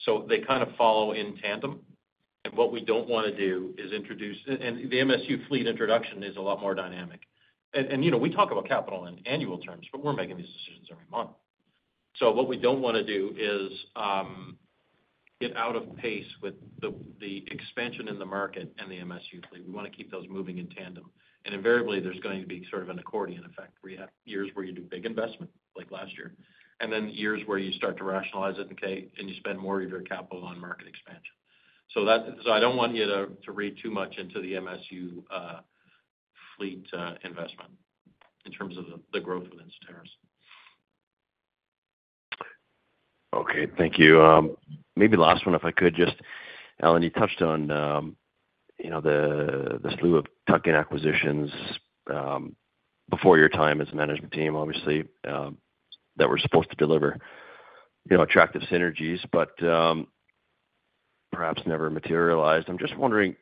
C: So they kind of follow in tandem. And what we don't want to do is introduce, and the MSU fleet introduction is a lot more dynamic. And we talk about capital in annual terms, but we're making these decisions every month. So what we don't want to do is get out of pace with the expansion in the market and the MSU fleet. We want to keep those moving in tandem. And invariably, there's going to be sort of an accordion effect. We have years where you do big investment, like last year, and then years where you start to rationalize it and you spend more of your capital on market expansion. So I don't want you to read too much into the MSU fleet investment in terms of the growth within Certarus.
G: Okay. Thank you. Maybe last one, if I could. Just, Allan, you touched on the slew of tuck-in acquisitions before your time as a management team, obviously, that were supposed to deliver attractive synergies, but perhaps never materialized. I'm just wondering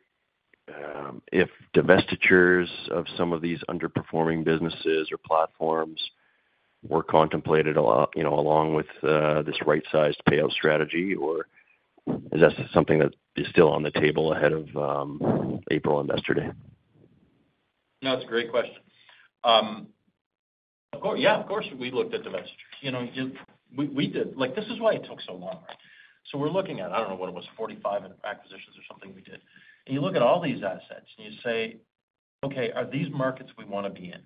G: if divestitures of some of these underperforming businesses or platforms were contemplated along with this right-sized payout strategy, or is that something that is still on the table ahead of April Investor Day?
C: No, that's a great question. Yeah, of course, we looked at divestitures. We did. This is why it took so long, right? So we're looking at, I don't know what it was, 45 acquisitions or something we did. And you look at all these assets and you say, "Okay, are these markets we want to be in?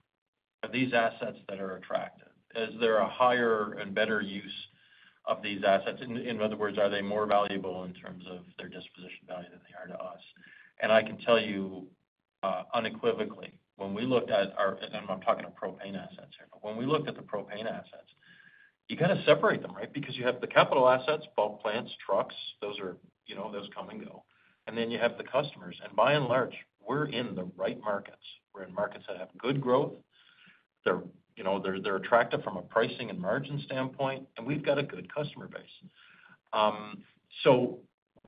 C: Are these assets that are attractive? Is there a higher and better use of these assets?" In other words, are they more valuable in terms of their disposition value than they are to us? And I can tell you unequivocally, when we looked at our and I'm talking to propane assets here but when we looked at the propane assets, you got to separate them, right? Because you have the capital assets, bulk plants, trucks, those come and go. And then you have the customers. And by and large, we're in the right markets. We're in markets that have good growth. They're attractive from a pricing and margin standpoint, and we've got a good customer base. So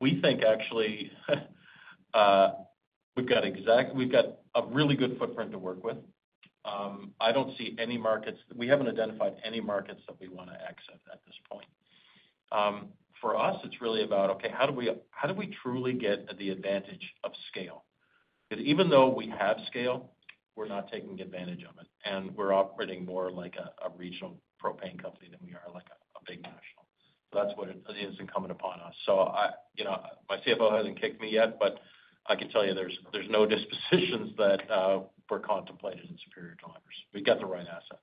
C: we think, actually, we've got a really good footprint to work with. I don't see any markets. We haven't identified any markets that we want to exit at this point. For us, it's really about, okay, how do we truly get the advantage of scale? Because even though we have scale, we're not taking advantage of it. And we're operating more like a regional propane company than we are like a big national. So that's what is incumbent upon us. So my CFO hasn't kicked me yet, but I can tell you there's no dispositions that were contemplated in Superior Delivers. We've got the right assets.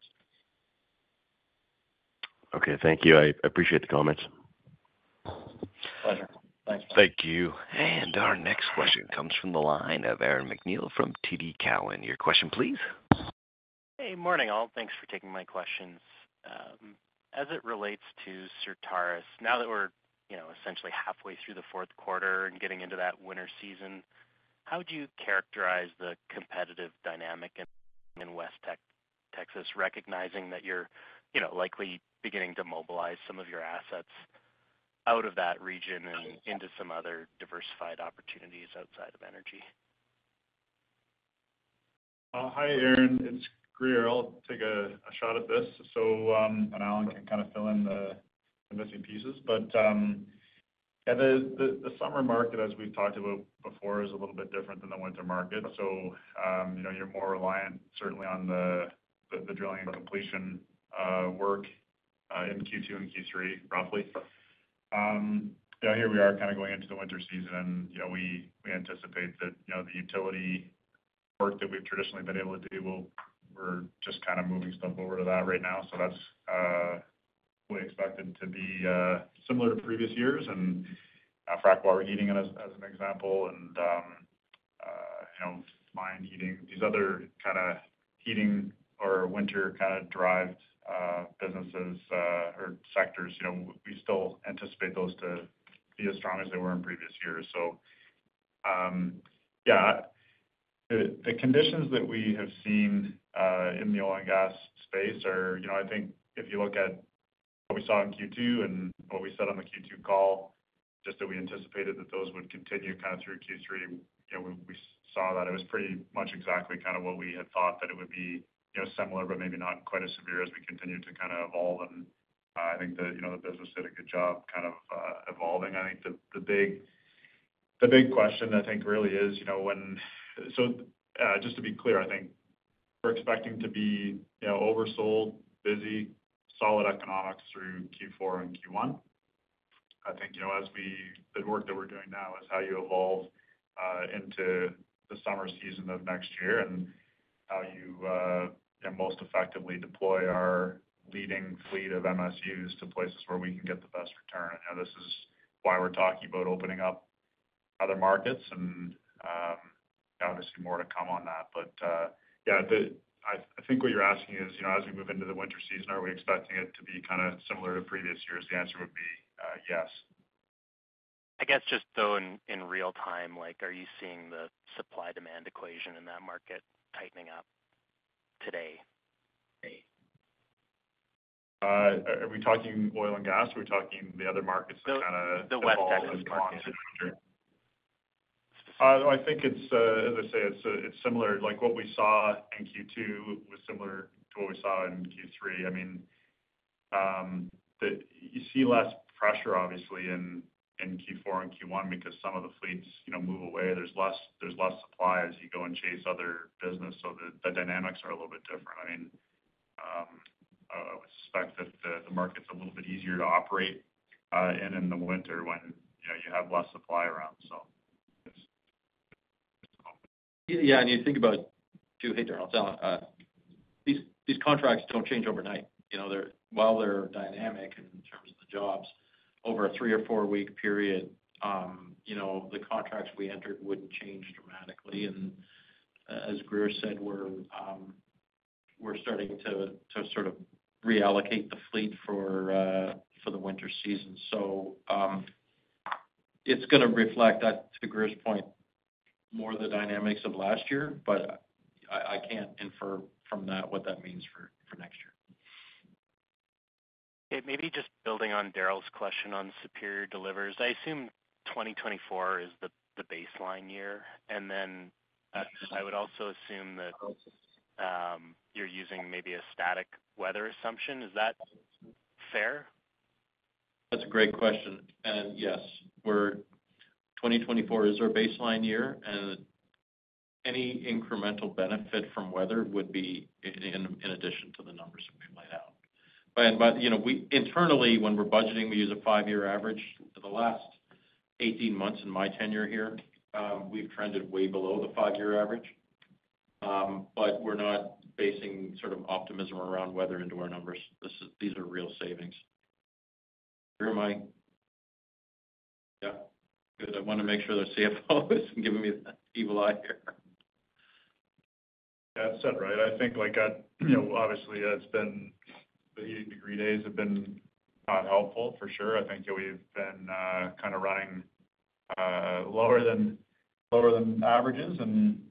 G: Okay. Thank you. I appreciate the comments.
C: Pleasure. Thanks, guys.
A: Thank you, and our next question comes from the line of Aaron MacNeil from TD Cowen. Your question, please.
I: Hey, morning, all. Thanks for taking my questions. As it relates to Certarus, now that we're essentially halfway through the fourth quarter and getting into that winter season, how would you characterize the competitive dynamic in West Texas, recognizing that you're likely beginning to mobilize some of your assets out of that region and into some other diversified opportunities outside of energy?
D: Hi, Aaron. It's Grier. I'll take a shot at this so Allan can kind of fill in the missing pieces. But yeah, the summer market, as we've talked about before, is a little bit different than the winter market. So you're more reliant, certainly, on the drilling and completion work in Q2 and Q3, roughly. Here we are kind of going into the winter season, and we anticipate that the utility work that we've traditionally been able to do. We're just kind of moving stuff over to that right now. So that's what we expected to be similar to previous years. And frac water heating, as an example, and mine heating, these other kind of heating or winter kind of drive businesses or sectors, we still anticipate those to be as strong as they were in previous years. So yeah, the conditions that we have seen in the oil and gas space are, I think, if you look at what we saw in Q2 and what we said on the Q2 call, just that we anticipated that those would continue kind of through Q3. We saw that it was pretty much exactly kind of what we had thought that it would be similar, but maybe not quite as severe as we continue to kind of evolve. And I think the business did a good job kind of evolving. I think the big question, I think, really is when. So just to be clear, I think we're expecting to be oversold, busy, solid economics through Q4 and Q1. I think the work that we're doing now is how you evolve into the summer season of next year and how you most effectively deploy our leading fleet of MSUs to places where we can get the best return. And this is why we're talking about opening up other markets and obviously more to come on that. But yeah, I think what you're asking is, as we move into the winter season, are we expecting it to be kind of similar to previous years? The answer would be yes. I guess just to in real time, are you seeing the supply-demand equation in that market tightening up today?
I: Are we talking oil and gas? Are we talking the other markets that kind of evolve along the winter?
D: I think, as I say, it's similar. What we saw in Q2 was similar to what we saw in Q3. I mean, you see less pressure, obviously, in Q4 and Q1 because some of the fleets move away. There's less supply as you go and chase other business. So the dynamics are a little bit different. I mean, I would suspect that the market's a little bit easier to operate in in the winter when you have less supply around, so.
C: Yeah. And you think about too, Heather, these contracts don't change overnight. While they're dynamic in terms of the jobs, over a three- or four-week period, the contracts we entered wouldn't change dramatically. And as Grier said, we're starting to sort of reallocate the fleet for the winter season. So it's going to reflect, to Grier's point, more of the dynamics of last year, but I can't infer from that what that means for next year.
I: Okay. Maybe just building on Daryl's question on Superior Delivers, I assume 2024 is the baseline year. And then I would also assume that you're using maybe a static weather assumption. Is that fair?
C: That's a great question. And yes, 2024 is our baseline year. And any incremental benefit from weather would be in addition to the numbers that we've laid out. Internally, when we're budgeting, we use a five-year average. The last 18 months in my tenure here, we've trended way below the five-year average. But we're not basing sort of optimism around weather into our numbers. These are real savings. Yeah. Good. I want to make sure the CFO isn't giving me the evil eye here.
D: Yeah. That's right. I think, obviously, the Heating degree days have been not helpful, for sure. I think we've been kind of running lower than averages. And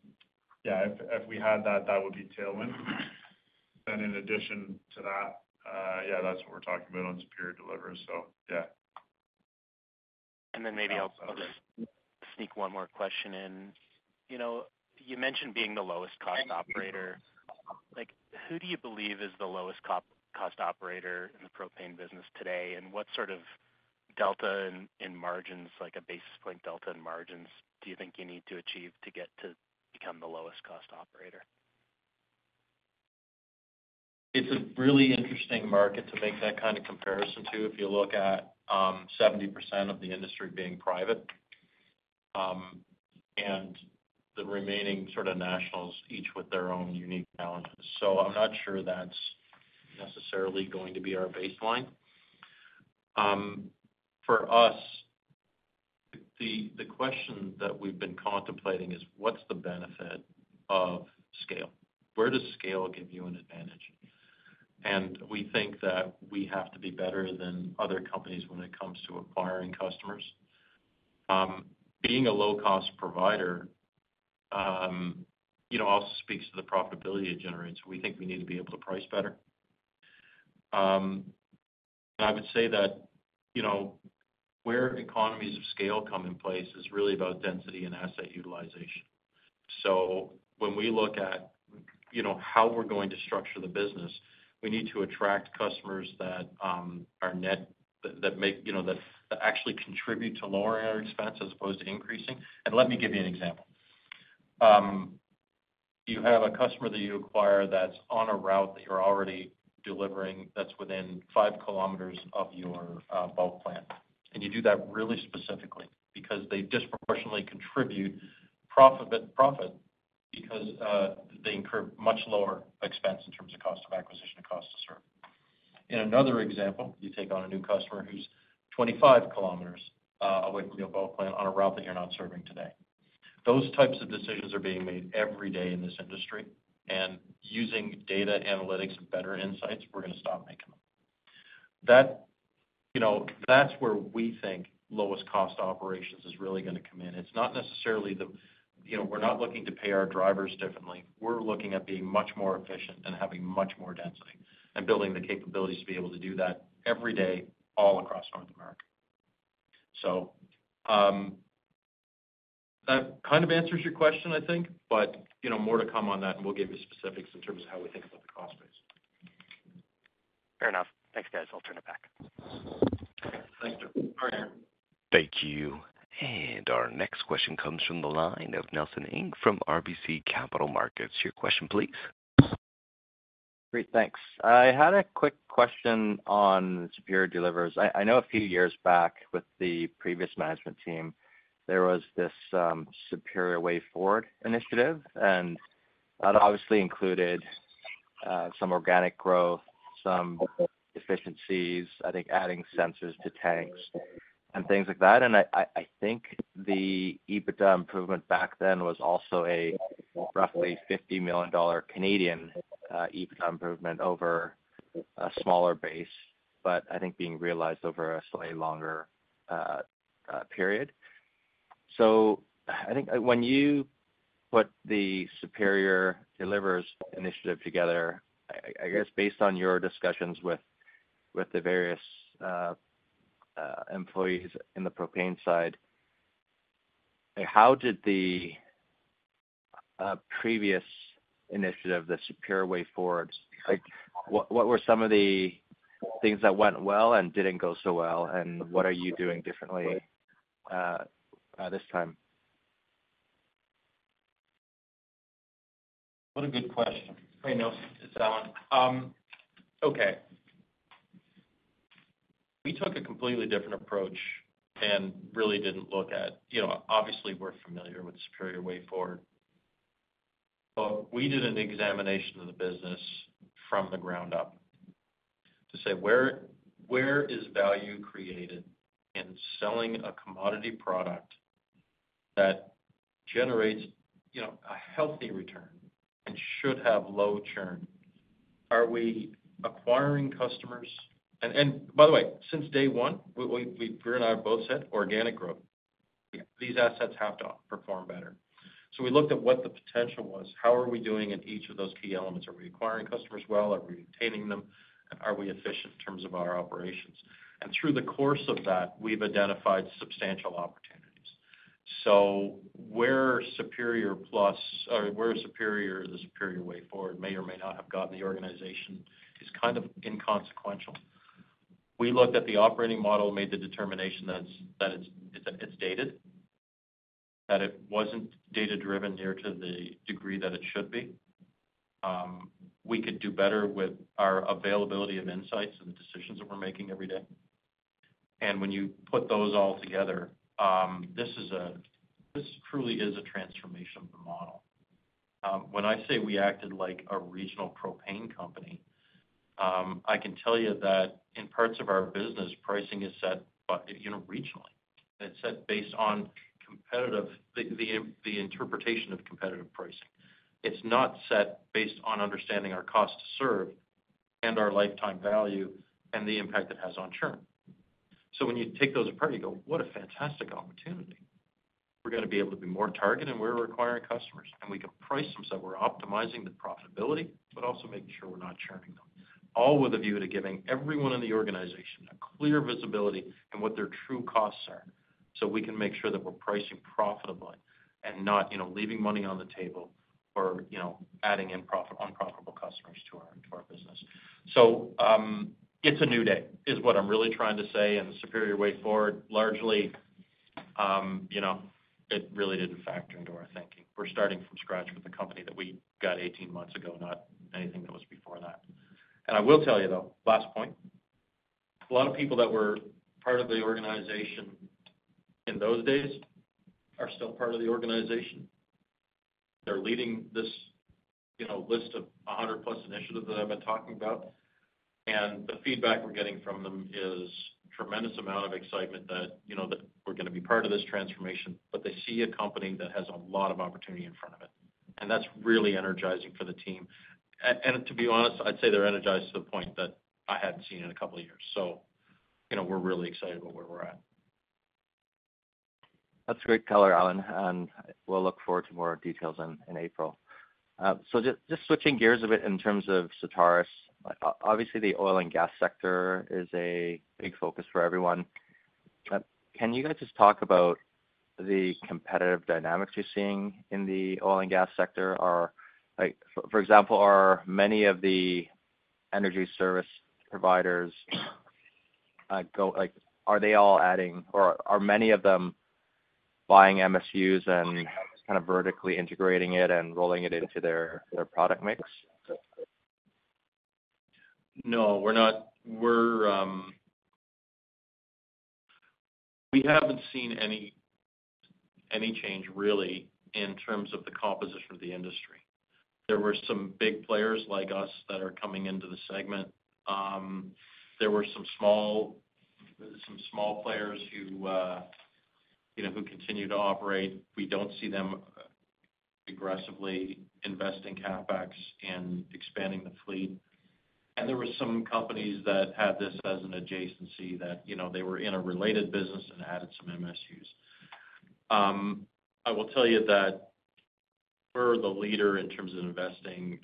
D: yeah, if we had that, that would be tailwind. And in addition to that, yeah, that's what we're talking about on Superior Delivers. So yeah.
I: Then maybe I'll just sneak one more question in. You mentioned being the lowest-cost operator. Who do you believe is the lowest-cost operator in the propane business today? And what sort of delta in margins, like a basis point delta in margins, do you think you need to achieve to get to become the lowest-cost operator?
C: It's a really interesting market to make that kind of comparison to if you look at 70% of the industry being private and the remaining sort of nationals each with their own unique challenges. So I'm not sure that's necessarily going to be our baseline. For us, the question that we've been contemplating is, what's the benefit of scale? Where does scale give you an advantage? And we think that we have to be better than other companies when it comes to acquiring customers. Being a low-cost provider also speaks to the profitability it generates. We think we need to be able to price better. And I would say that where economies of scale come in place is really about density and asset utilization. So when we look at how we're going to structure the business, we need to attract customers that are net that actually contribute to lowering our expense as opposed to increasing. And let me give you an example. You have a customer that you acquire that's on a route that you're already delivering that's within 5 km of your bulk plant. And you do that really specifically because they disproportionately contribute profit because they incur much lower expense in terms of cost of acquisition and cost to serve. In another example, you take on a new customer who's 25 km away from your bulk plant on a route that you're not serving today. Those types of decisions are being made every day in this industry. And using data analytics and better insights, we're going to stop making them. That's where we think lowest-cost operations is really going to come in. It's not necessarily that we're not looking to pay our drivers differently. We're looking at being much more efficient and having much more density and building the capabilities to be able to do that every day all across North America. That kind of answers your question, I think, but more to come on that, and we'll give you specifics in terms of how we think about the cost base.
I: Fair enough. Thanks, guys. I'll turn it back.
C: Thanks, sir. All right, Aaron.
A: Thank you. And our next question comes from the line of Nelson Ng from RBC Capital Markets. Your question, please.
J: Great. Thanks. I had a quick question on Superior Delivers. I know a few years back with the previous management team, there was this Superior Way Forward initiative. And that obviously included some organic growth, some efficiencies, I think adding sensors to tanks and things like that. And I think the EBITDA improvement back then was also a roughly 50 million Canadian dollars EBITDA improvement over a smaller base, but I think being realized over a slightly longer period. So I think when you put the Superior Delivers initiative together, I guess based on your discussions with the various employees in the propane side, how did the previous initiative, the Superior Way Forward, what were some of the things that went well and didn't go so well? And what are you doing differently this time?
C: What a good question. Hey, Nelson. It's Allan. Okay. We took a completely different approach and really didn't look at obviously, we're familiar with Superior Way Forward. But we did an examination of the business from the ground up to say, where is value created in selling a commodity product that generates a healthy return and should have low churn? Are we acquiring customers? And by the way, since day one, Grier and I have both said organic growth. These assets have to perform better. So we looked at what the potential was. How are we doing in each of those key elements? Are we acquiring customers well? Are we retaining them? Are we efficient in terms of our operations? And through the course of that, we've identified substantial opportunities. So whether Superior Plus or whether Superior, the Superior Way Forward may or may not have gotten the organization is kind of inconsequential. We looked at the operating model, made the determination that it's dated, that it wasn't data-driven nearly to the degree that it should be. We could do better with our availability of insights and the decisions that we're making every day. And when you put those all together, this truly is a transformation of the model. When I say we acted like a regional propane company, I can tell you that in parts of our business, pricing is set regionally. It's set based on the interpretation of competitive pricing. It's not set based on understanding our cost to serve and our lifetime value and the impact it has on churn. So when you take those apart, you go, "What a fantastic opportunity. We're going to be able to be more targeted when we're acquiring customers." And we can price them so we're optimizing the profitability, but also making sure we're not churning them, all with a view to giving everyone in the organization a clear visibility in what their true costs are so we can make sure that we're pricing profitably and not leaving money on the table or adding unprofitable customers to our business. So it's a new day is what I'm really trying to say. And Superior Way Forward, largely, it really didn't factor into our thinking. We're starting from scratch with a company that we got 18 months ago, not anything that was before that. And I will tell you, though, last point. A lot of people that were part of the organization in those days are still part of the organization. They're leading this list of 100-plus initiatives that I've been talking about. And the feedback we're getting from them is a tremendous amount of excitement that we're going to be part of this transformation, but they see a company that has a lot of opportunity in front of it. And that's really energizing for the team. And to be honest, I'd say they're energized to the point that I hadn't seen in a couple of years. So we're really excited about where we're at.
J: That's a great color, Allan, and we'll look forward to more details in April, so just switching gears a bit in terms of Certarus, obviously, the oil and gas sector is a big focus for everyone. Can you guys just talk about the competitive dynamics you're seeing in the oil and gas sector? For example, are many of the energy service providers, are they all adding, or are many of them buying MSUs and kind of vertically integrating it and rolling it into their product mix?
C: No. We haven't seen any change, really, in terms of the composition of the industry. There were some big players like us that are coming into the segment. There were some small players who continue to operate. We don't see them aggressively investing CapEx and expanding the fleet, and there were some companies that had this as an adjacency that they were in a related business and added some MSUs. I will tell you that we're the leader in terms of investing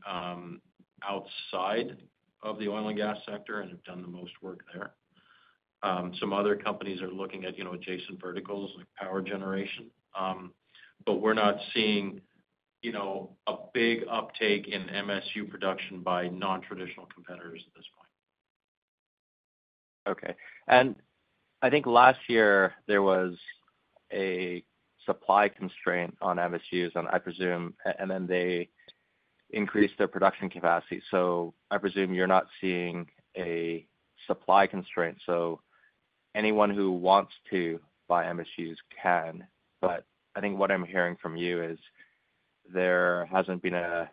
C: outside of the oil and gas sector and have done the most work there. Some other companies are looking at adjacent verticals like power generation, but we're not seeing a big uptake in MSU production by non-traditional competitors at this point.
J: Okay. And I think last year, there was a supply constraint on MSUs, and I presume and then they increased their production capacity. So I presume you're not seeing a supply constraint. So anyone who wants to buy MSUs can. But I think what I'm hearing from you is there hasn't been a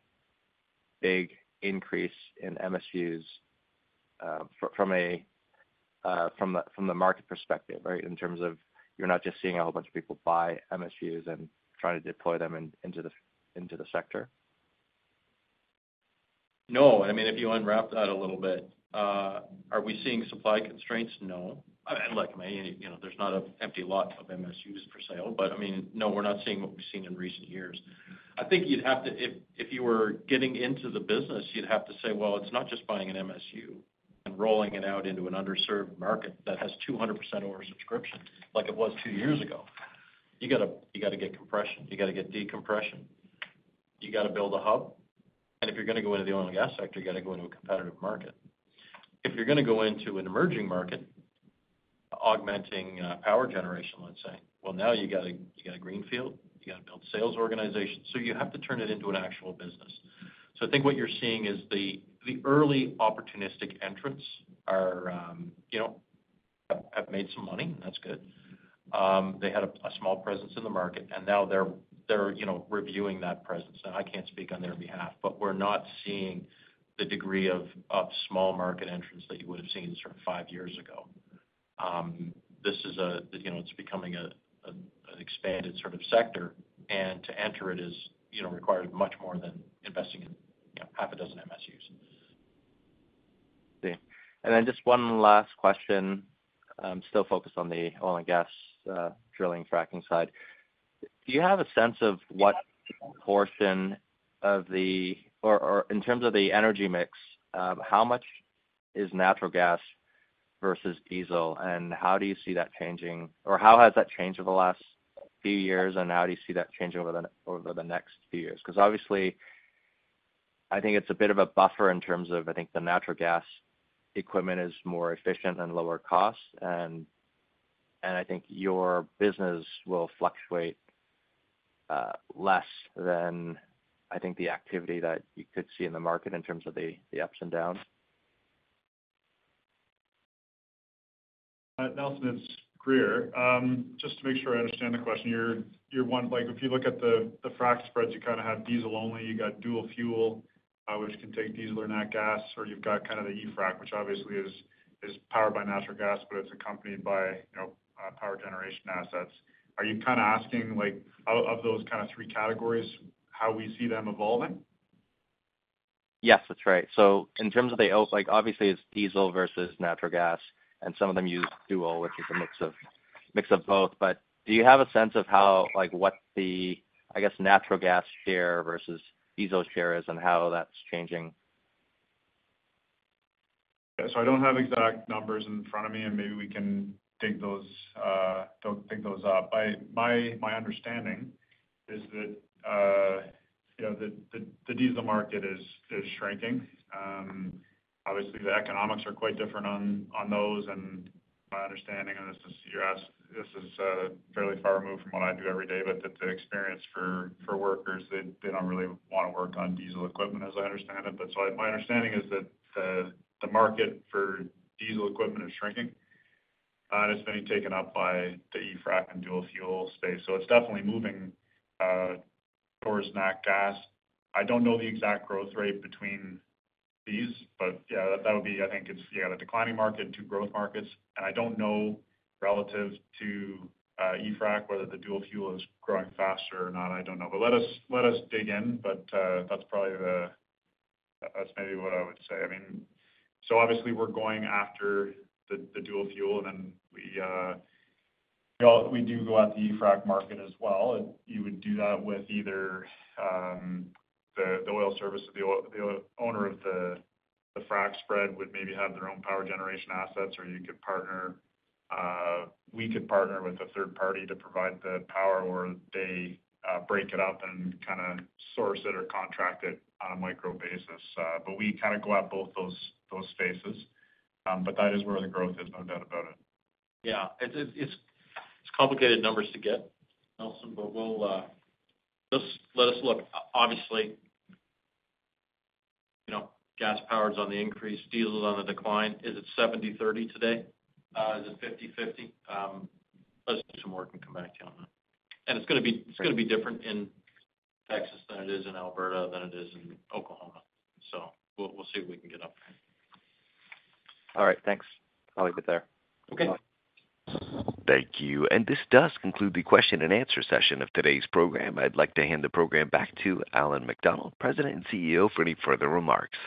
J: big increase in MSUs from the market perspective, right, in terms of you're not just seeing a whole bunch of people buy MSUs and trying to deploy them into the sector?
C: No. I mean, if you unwrap that a little bit, are we seeing supply constraints? No. And look, there's not an empty lot of MSUs for sale. But I mean, no, we're not seeing what we've seen in recent years. I think you'd have to if you were getting into the business, you'd have to say, "Well, it's not just buying an MSU and rolling it out into an underserved market that has 200% oversubscription like it was two years ago." You got to get compression. You got to get decompression. You got to build a hub. And if you're going to go into the oil and gas sector, you got to go into a competitive market. If you're going to go into an emerging market, augmenting power generation, let's say, well, now you got a greenfield. You got to build sales organizations. So you have to turn it into an actual business. So I think what you're seeing is the early opportunistic entrants have made some money, and that's good. They had a small presence in the market, and now they're reviewing that presence. Now, I can't speak on their behalf, but we're not seeing the degree of small market entrants that you would have seen sort of five years ago. This is, it's becoming an expanded sort of sector, and to enter it requires much more than investing in half a dozen MSUs.
J: Then just one last question, still focused on the oil and gas drilling and fracking side. Do you have a sense of what portion of the, or in terms of the energy mix, how much is natural gas versus diesel? And how do you see that changing? Or how has that changed over the last few years? And how do you see that changing over the next few years? Because obviously, I think it's a bit of a buffer in terms of I think the natural gas equipment is more efficient and lower cost. And I think your business will fluctuate less than I think the activity that you could see in the market in terms of the ups and downs.
D: Nelson, Grier, just to make sure I understand the question. If you look at the frac spreads, you kind of have diesel only. You got dual fuel, which can take diesel or natural gas. Or you've got kind of the E-frac, which obviously is powered by natural gas, but it's accompanied by power generation assets. Are you kind of asking of those kind of three categories how we see them evolving?
J: Yes, that's right. So in terms of the obviously, it's diesel versus natural gas, and some of them use fuel, which is a mix of both. But do you have a sense of what the, I guess, natural gas share versus diesel share is and how that's changing?
D: Okay. So I don't have exact numbers in front of me, and maybe we can dig those up. My understanding is that the diesel market is shrinking. Obviously, the economics are quite different on those. And my understanding of this is you asked. This is fairly far removed from what I do every day, but the experience for workers, they don't really want to work on diesel equipment, as I understand it. But so my understanding is that the market for diesel equipment is shrinking, and it's being taken up by the E-frac and dual fuel space. So it's definitely moving towards natural gas. I don't know the exact growth rate between these, but yeah, that would be. I think it's you got a declining market and two growth markets. And I don't know relative to E-frac whether the dual fuel is growing faster or not. I don't know. Let us dig in, but that's probably the that's maybe what I would say. I mean, so obviously, we're going after the dual fuel, and then we do go at the E-frac market as well. You would do that with either the oil service or the owner of the frac spread would maybe have their own power generation assets, or we could partner with a third party to provide the power, or they break it up and kind of source it or contract it on a micro basis. But we kind of go at both those spaces, but that is where the growth is, no doubt about it. Yeah. It's complicated numbers to get, Nelson, but just let us look. Obviously, gas powered is on the increase. Diesel is on the decline. Is it 70/30 today? Is it 50/50?
C: Let's do some work and come back to you on that. And it's going to be different in Texas than it is in Alberta than it is in Oklahoma. So we'll see what we can get up there.
J: All right. Thanks. I'll leave it there.
C: Okay.
A: Thank you. And this does conclude the question-and-answer session of today's program. I'd like to hand the program back to Allan MacDonald, President and CEO, for any further remarks.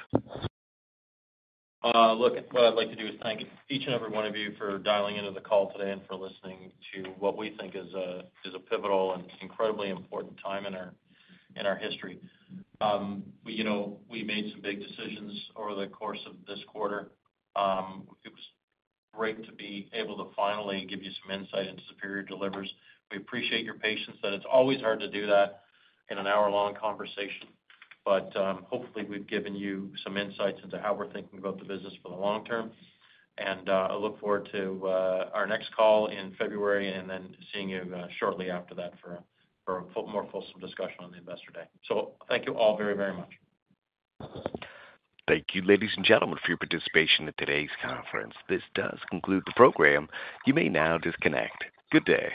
C: Look, what I'd like to do is thank each and every one of you for dialing into the call today and for listening to what we think is a pivotal and incredibly important time in our history. We made some big decisions over the course of this quarter. It was great to be able to finally give you some insight into Superior Delivers. We appreciate your patience, that it's always hard to do that in an hour-long conversation. But hopefully, we've given you some insights into how we're thinking about the business for the long term. And I look forward to our next call in February and then seeing you shortly after that for a more fulsome discussion on the investor day. So thank you all very, very much.
A: Thank you, ladies and gentlemen, for your participation in today's conference. This does conclude the program. You may now disconnect. Good day.